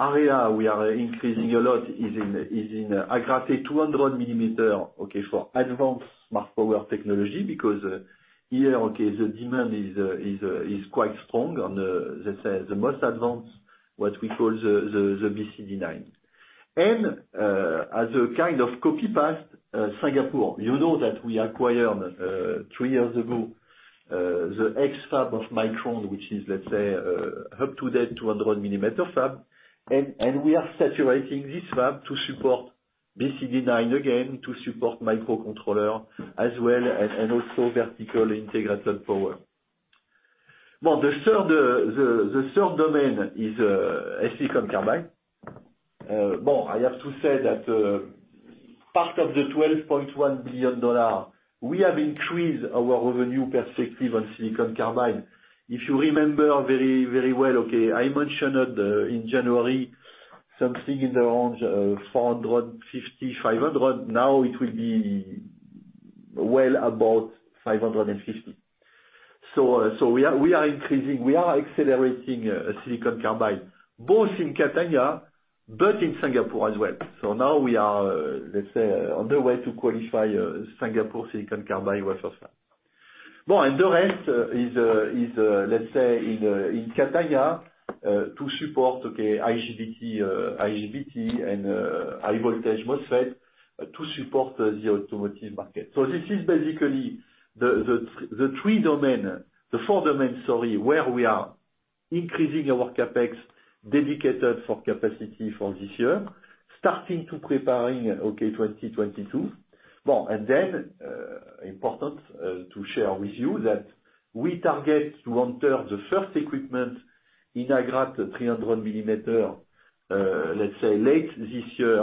area we are increasing a lot is in Agrate 200 mm for advanced smart power technology because here, okay, the demand is quite strong on the, let’s say, the most advanced, what we call the BCD9. As a kind of copy-paste, Singapore. You know that we acquired, three years ago, the ex-fab of Micron, which is up-to-date 200 mm fab. We are saturating this fab to support BCD9 again, to support microcontroller as well and also vertical integrated power. The third domain is silicon carbide. I have to say that part of the $12.1 billion, we have increased our revenue perspective on silicon carbide. If you remember very well, I mentioned in January something in the range of $450 million-$500 million. Now it will be well above $550 million. We are increasing, we are accelerating silicon carbide both in Catania but in Singapore as well. Now we are on the way to qualify Singapore silicon carbide wafer fab. The rest is in Catania, to support IGBT and high voltage MOSFET to support the automotive market. This is basically the four domains, sorry, where we are increasing our CapEx dedicated for capacity for this year, starting to preparing 2022. Important to share with you that we target to enter the first equipment in Agrate 300 mm late this year,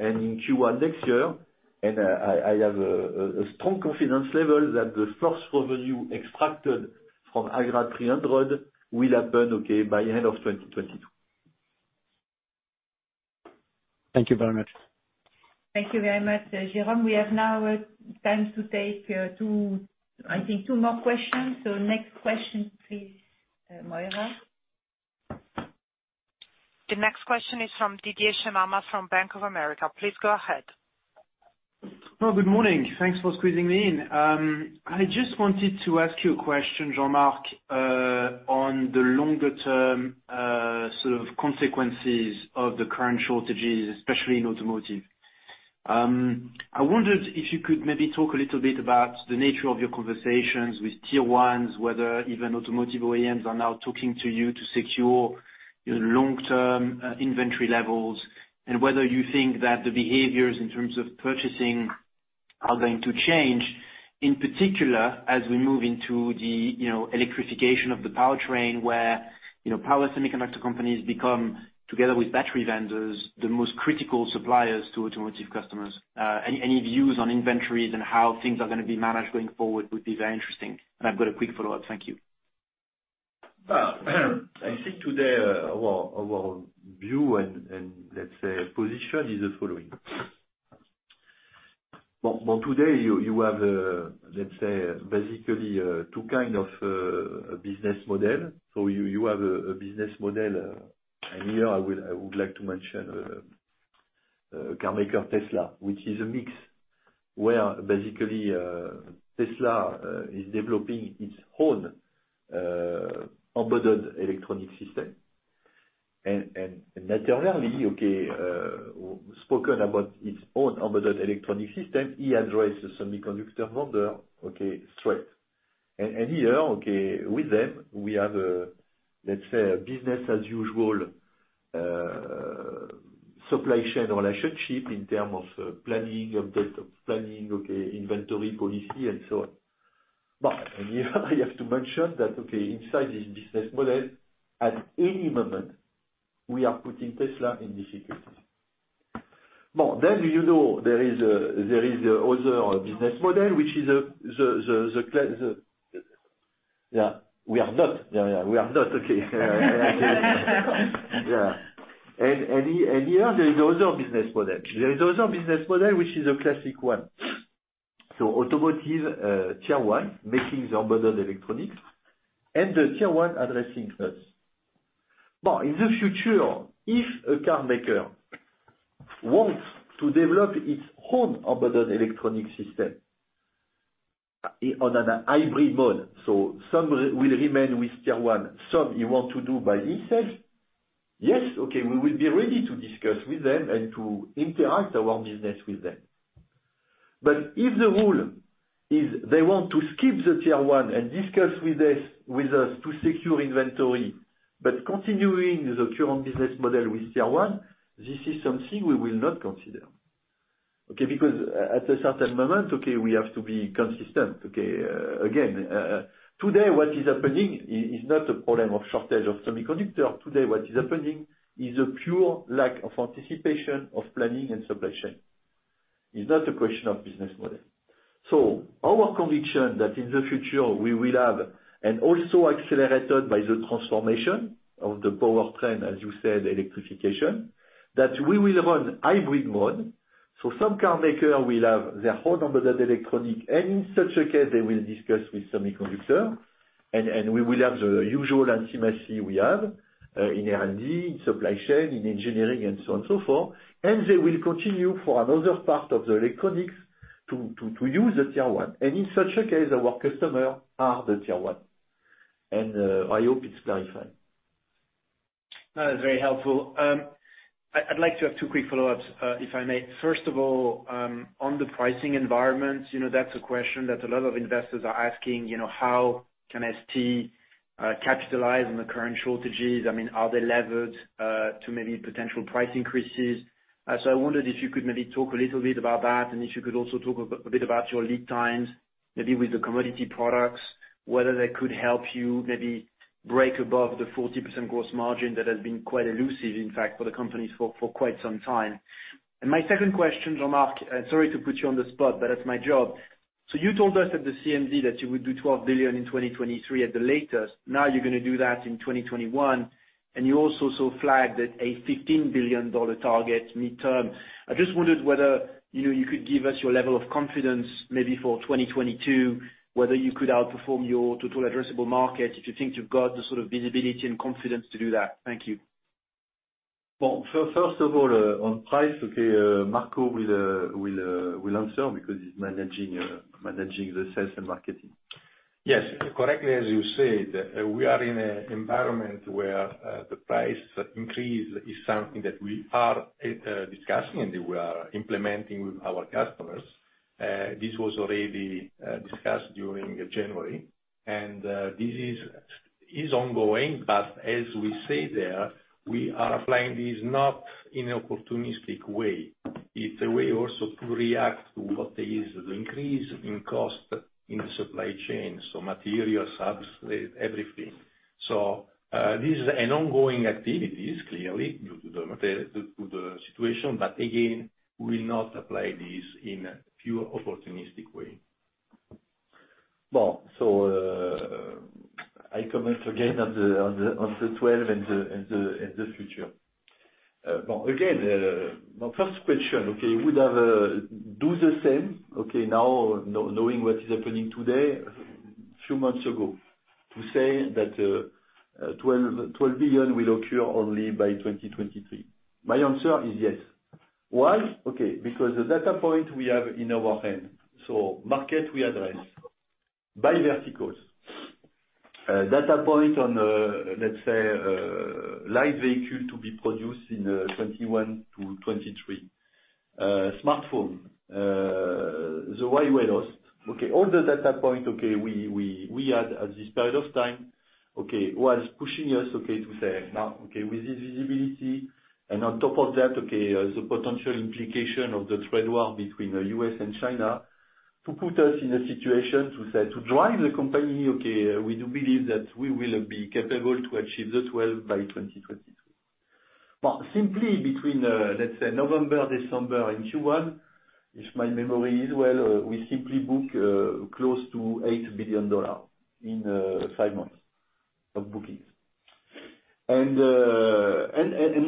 and in Q1 next year. I have a strong confidence level that the first revenue extracted from Agrate 300 will happen by end of 2022. Thank you very much. Thank you very much, Jérôme. We have now time to take two more questions. Next question please, Moira. The next question is from Didier Scemama from Bank of America. Please go ahead. Good morning. Thanks for squeezing me in. I just wanted to ask you a question, Jean-Marc, on the longer-term sort of consequences of the current shortages, especially in automotive. I wondered if you could maybe talk a little bit about the nature of your conversations with tier ones, whether even automotive OEMs are now talking to you to secure your long-term inventory levels, and whether you think that the behaviors in terms of purchasing are going to change, in particular, as we move into the electrification of the powertrain where power semiconductor companies become, together with battery vendors, the most critical suppliers to automotive customers. Any views on inventories and how things are going to be managed going forward would be very interesting. I've got a quick follow-up. Thank you. I think today our view and let's say position is the following. You have basically two kind of business model. You have a business model, and here I would like to mention car maker Tesla, which is a mix where basically Tesla is developing its own embedded electronic system. Naturally, spoken about its own embedded electronic system, he address the semiconductor vendor straight. Here, okay, with them, we have a, let's say, business as usual supply chain relationship in terms of planning, update of planning, inventory policy, and so on. I have to mention that, okay, inside this business model, at any moment, we are putting Tesla in this equation. You know there is the other business model, which is We are not. Yeah. We are not, okay. Here there is other business model. There is other business model, which is a classic one. Automotive tier 1 making the onboard electronics and the tier 1 addressing us. In the future, if a carmaker wants to develop its own onboard electronic system on a hybrid mode, so some will remain with tier 1, some he want to do by himself. Yes, okay, we will be ready to discuss with them and to interact our business with them. If the rule is they want to skip the tier 1 and discuss with us to secure inventory, but continuing the current business model with tier 1, this is something we will not consider. Because at a certain moment, we have to be consistent, okay? Again, today, what is happening is not a problem of shortage of semiconductor. Today, what is happening is a pure lack of anticipation of planning and supply chain. Is not a question of business model. Our conviction that in the future we will have, and also accelerated by the transformation of the powertrain, as you said, electrification, that we will run hybrid mode. Some carmaker will have their whole onboard electronics, and in such a case they will discuss with semiconductors, and we will have the usual intimacy we have, in R&D, in supply chain, in engineering and so on and so forth. They will continue for another part of the electronics to use the tier 1. In such a case, our customers are the tier 1. I hope it's clarified. That is very helpful. I'd like to have two quick follow-ups, if I may. First of all, on the pricing environment, that's a question that a lot of investors are asking, how can ST capitalize on the current shortages? I mean, are they levered to maybe potential price increases? I wondered if you could maybe talk a little bit about that, and if you could also talk a bit about your lead times, maybe with the commodity products, whether they could help you maybe break above the 40% gross margin that has been quite elusive, in fact, for the company for quite some time. My second question, Jean-Marc, sorry to put you on the spot, but it's my job. You told us at the CMD that you would do $12 billion in 2023 at the latest. Now you're going to do that in 2021. You also flagged that a $15 billion target midterm. I just wondered whether you could give us your level of confidence maybe for 2022, whether you could outperform your total addressable market, if you think you've got the sort of visibility and confidence to do that. Thank you. Well, first of all, on price, okay, Marco will answer because he is managing the sales and marketing. Correctly as you said, we are in an environment where the price increase is something that we are discussing and we are implementing with our customers. This was already discussed during January, and this is ongoing, but as we say there, we are applying this not in opportunistic way. It's a way also to react to what is the increase in cost in the supply chain, so material, subs, everything. This is an ongoing activities, clearly due to the situation, but again, we will not apply this in a pure opportunistic way. I comment again on the $12 billion and the future. Again, my first question, okay, would I do the same, now knowing what is happening today, few months ago to say that $12 billion will occur only by 2023? My answer is yes. Why? Okay, because the data point we have in our hand, so market we address by verticals. Data point on, let's say, light vehicle to be produced in 2021 to 2023. Smartphone, the Huawei lost. All the data point we had at this period of time was pushing us to say, now, okay, with this visibility and on top of that, the potential implication of the trade war between the U.S. and China, to put us in a situation to say, to drive the company, we do believe that we will be capable to achieve the $12 billion by 2023. Simply between, let's say November, December and Q1, if my memory is well, we simply book close to $8 billion in five months of bookings. All the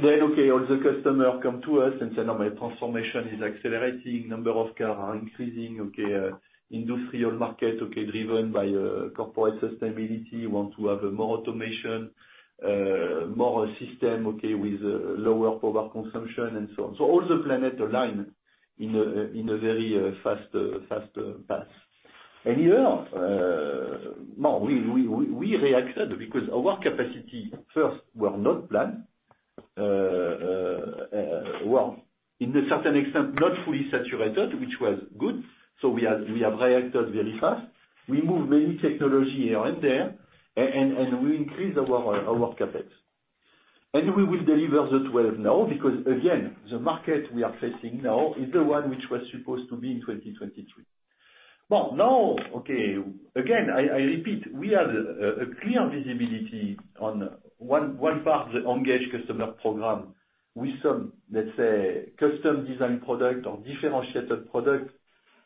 customer come to us and say, "Now my transformation is accelerating. Number of car are increasing." Industrial market driven by corporate sustainability, want to have more automation, more system with lower power consumption and so on. All the planet align in a very fast path. Here, we reacted because our capacity first were not planned. Well, in a certain extent, not fully saturated, which was good. We have reacted very fast. We move many technology here and there, and we increase our CapEx. We will deliver the $12 billion now because, again, the market we are facing now is the one which was supposed to be in 2023. Now, okay, again, I repeat, we have a clear visibility on one part, the engaged customer program with some, let's say, custom design product or differentiated product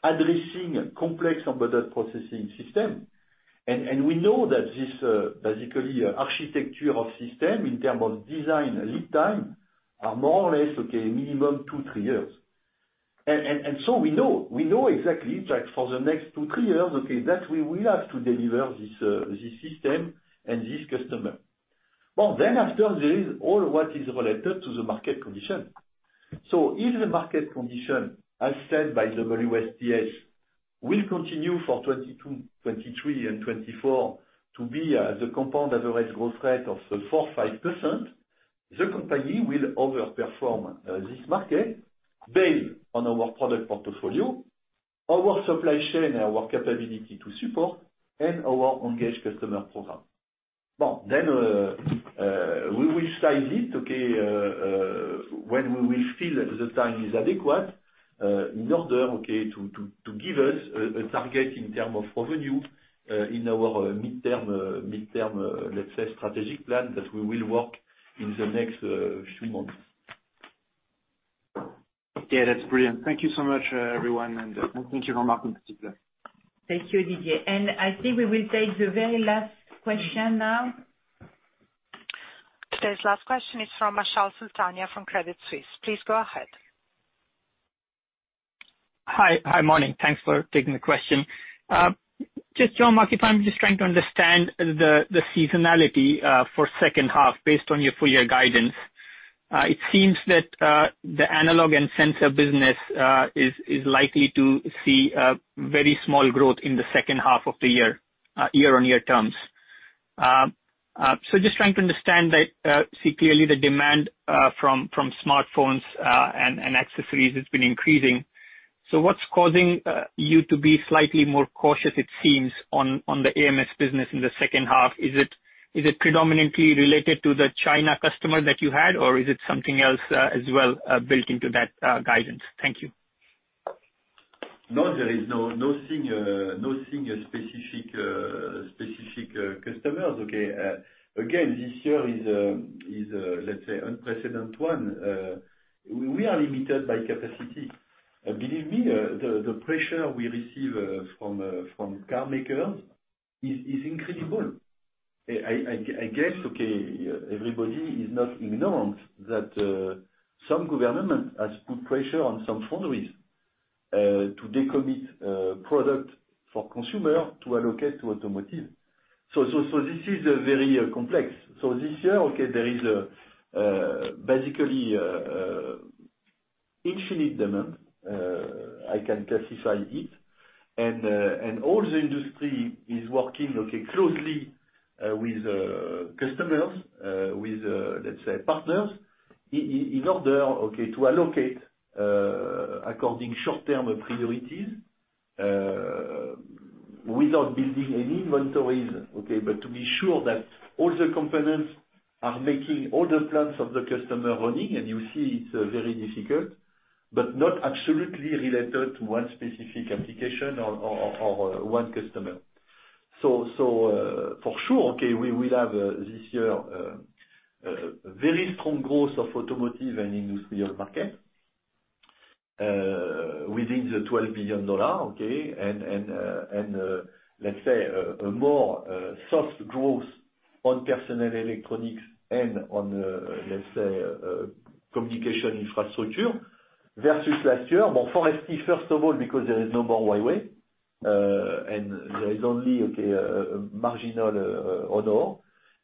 addressing complex embedded processing system. We know that this basically architecture of system in term of design lead time are more or less, okay, minimum two, three years. We know exactly that for the next two, three years, okay, that we will have to deliver this system and this customer. Well, after, there is all what is related to the market condition. If the market condition, as said by WSTS, will continue for 2022, 2023, and 2024 to be the compound average growth rate of 4%, 5%, the company will over-perform this market based on our product portfolio, our supply chain, our capability to support, and our engaged customer program. Well, we will size it, okay, when we will feel the time is adequate in order, okay, to give us a target in terms of revenue in our midterm, let's say, strategic plan that we will work in the next few months. Okay, that's brilliant. Thank you so much, everyone, and thank you for participating. Thank you, Didier. I think we will take the very last question now. Today's last question is from Achal Sultania from Credit Suisse. Please go ahead. Hi. Morning. Thanks for taking the question. Just Jean-Marc, if I'm just trying to understand the seasonality for second half based on your full year guidance. It seems that the analog and sensor business is likely to see a very small growth in the second half of the year-on-year terms. Just trying to understand that, see clearly the demand from smartphones and accessories has been increasing. What's causing you to be slightly more cautious, it seems, on the AMS business in the second half? Is it predominantly related to the China customer that you had, or is it something else as well built into that guidance? Thank you. No, there is no single specific customers, okay. Again, this year is, let's say, unprecedented one. We are limited by capacity. Believe me, the pressure we receive from car makers is incredible. I guess, okay, everybody is not ignorant that some government has put pressure on some foundries to decommit product for consumer to allocate to automotive. This is very complex. This year, okay, there is basically infinite demand, I can classify it, and all the industry is working, okay, closely with customers, with let's say partners in order, okay, to allocate according short-term priorities without building any inventories, okay. To be sure that all the components are making all the plans of the customer running, and you see it's very difficult, but not absolutely related to one specific application or one customer. For sure, we will have this year a very strong growth of automotive and industrial market within the $12 billion, and a more soft growth on personal electronics and on communication infrastructure versus last year. For ST, first of all, because there is no more Huawei, and there is only marginal Honor,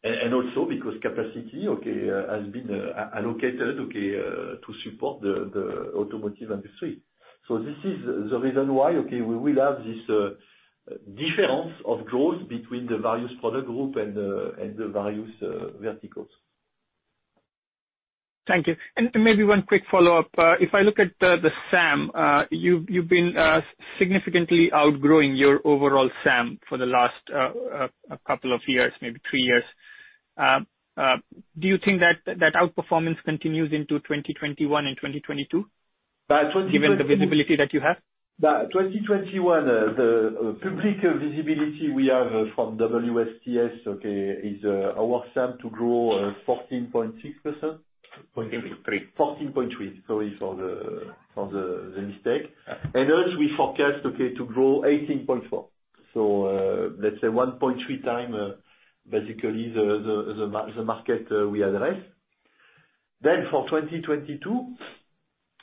and also because capacity has been allocated to support the automotive industry. This is the reason why we will have this difference of growth between the various product group and the various verticals. Thank you. Maybe one quick follow-up. If I look at the SAM, you've been significantly outgrowing your overall SAM for the last couple of years, maybe three years. Do you think that outperformance continues into 2021 and 2022? 2021. Given the visibility that you have? 2021, the public visibility we have from WSTS, okay, is our SAM to grow 14.6%. 14.3%. 14.3%, sorry for the mistake. Us, we forecast, okay, to grow 18.4%. Let's say 1.3x basically the market we address. For 2022,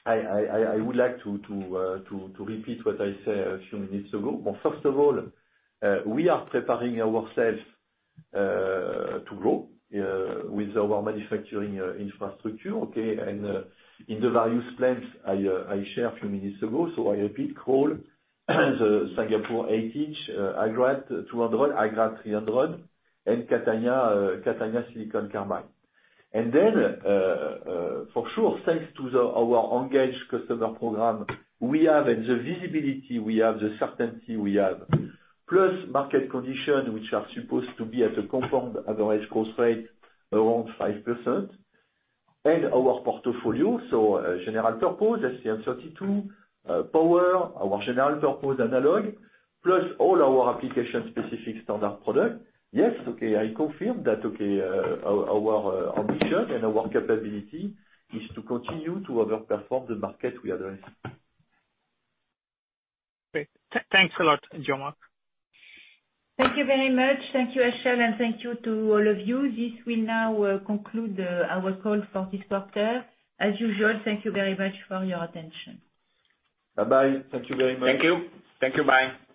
I would like to repeat what I said a few minutes ago. Well, first of all, we are preparing ourselves to grow with our manufacturing infrastructure, okay, and in the various plants I shared few minutes ago. I repeat, Crolles, the Singapore 8-Inch, Agrate 200 mm, Agrate 300 mm, and Catania Silicon Carbide. For sure, thanks to our engaged customer program we have and the visibility we have, the certainty we have, plus market condition, which are supposed to be at a compound average growth rate around 5%, and our portfolio, so general purpose, STM32, Power, our general purpose analog, plus all our application-specific standard product. Yes, okay, I confirm that, okay, our ambition and our capability is to continue to over-perform the market we address. Great. Thanks a lot, Jean-Marc. Thank you very much. Thank you, Achal, and thank you to all of you. This will now conclude our call for this quarter. As usual, thank you very much for your attention. Bye-bye. Thank you very much. Thank you. Thank you. Bye.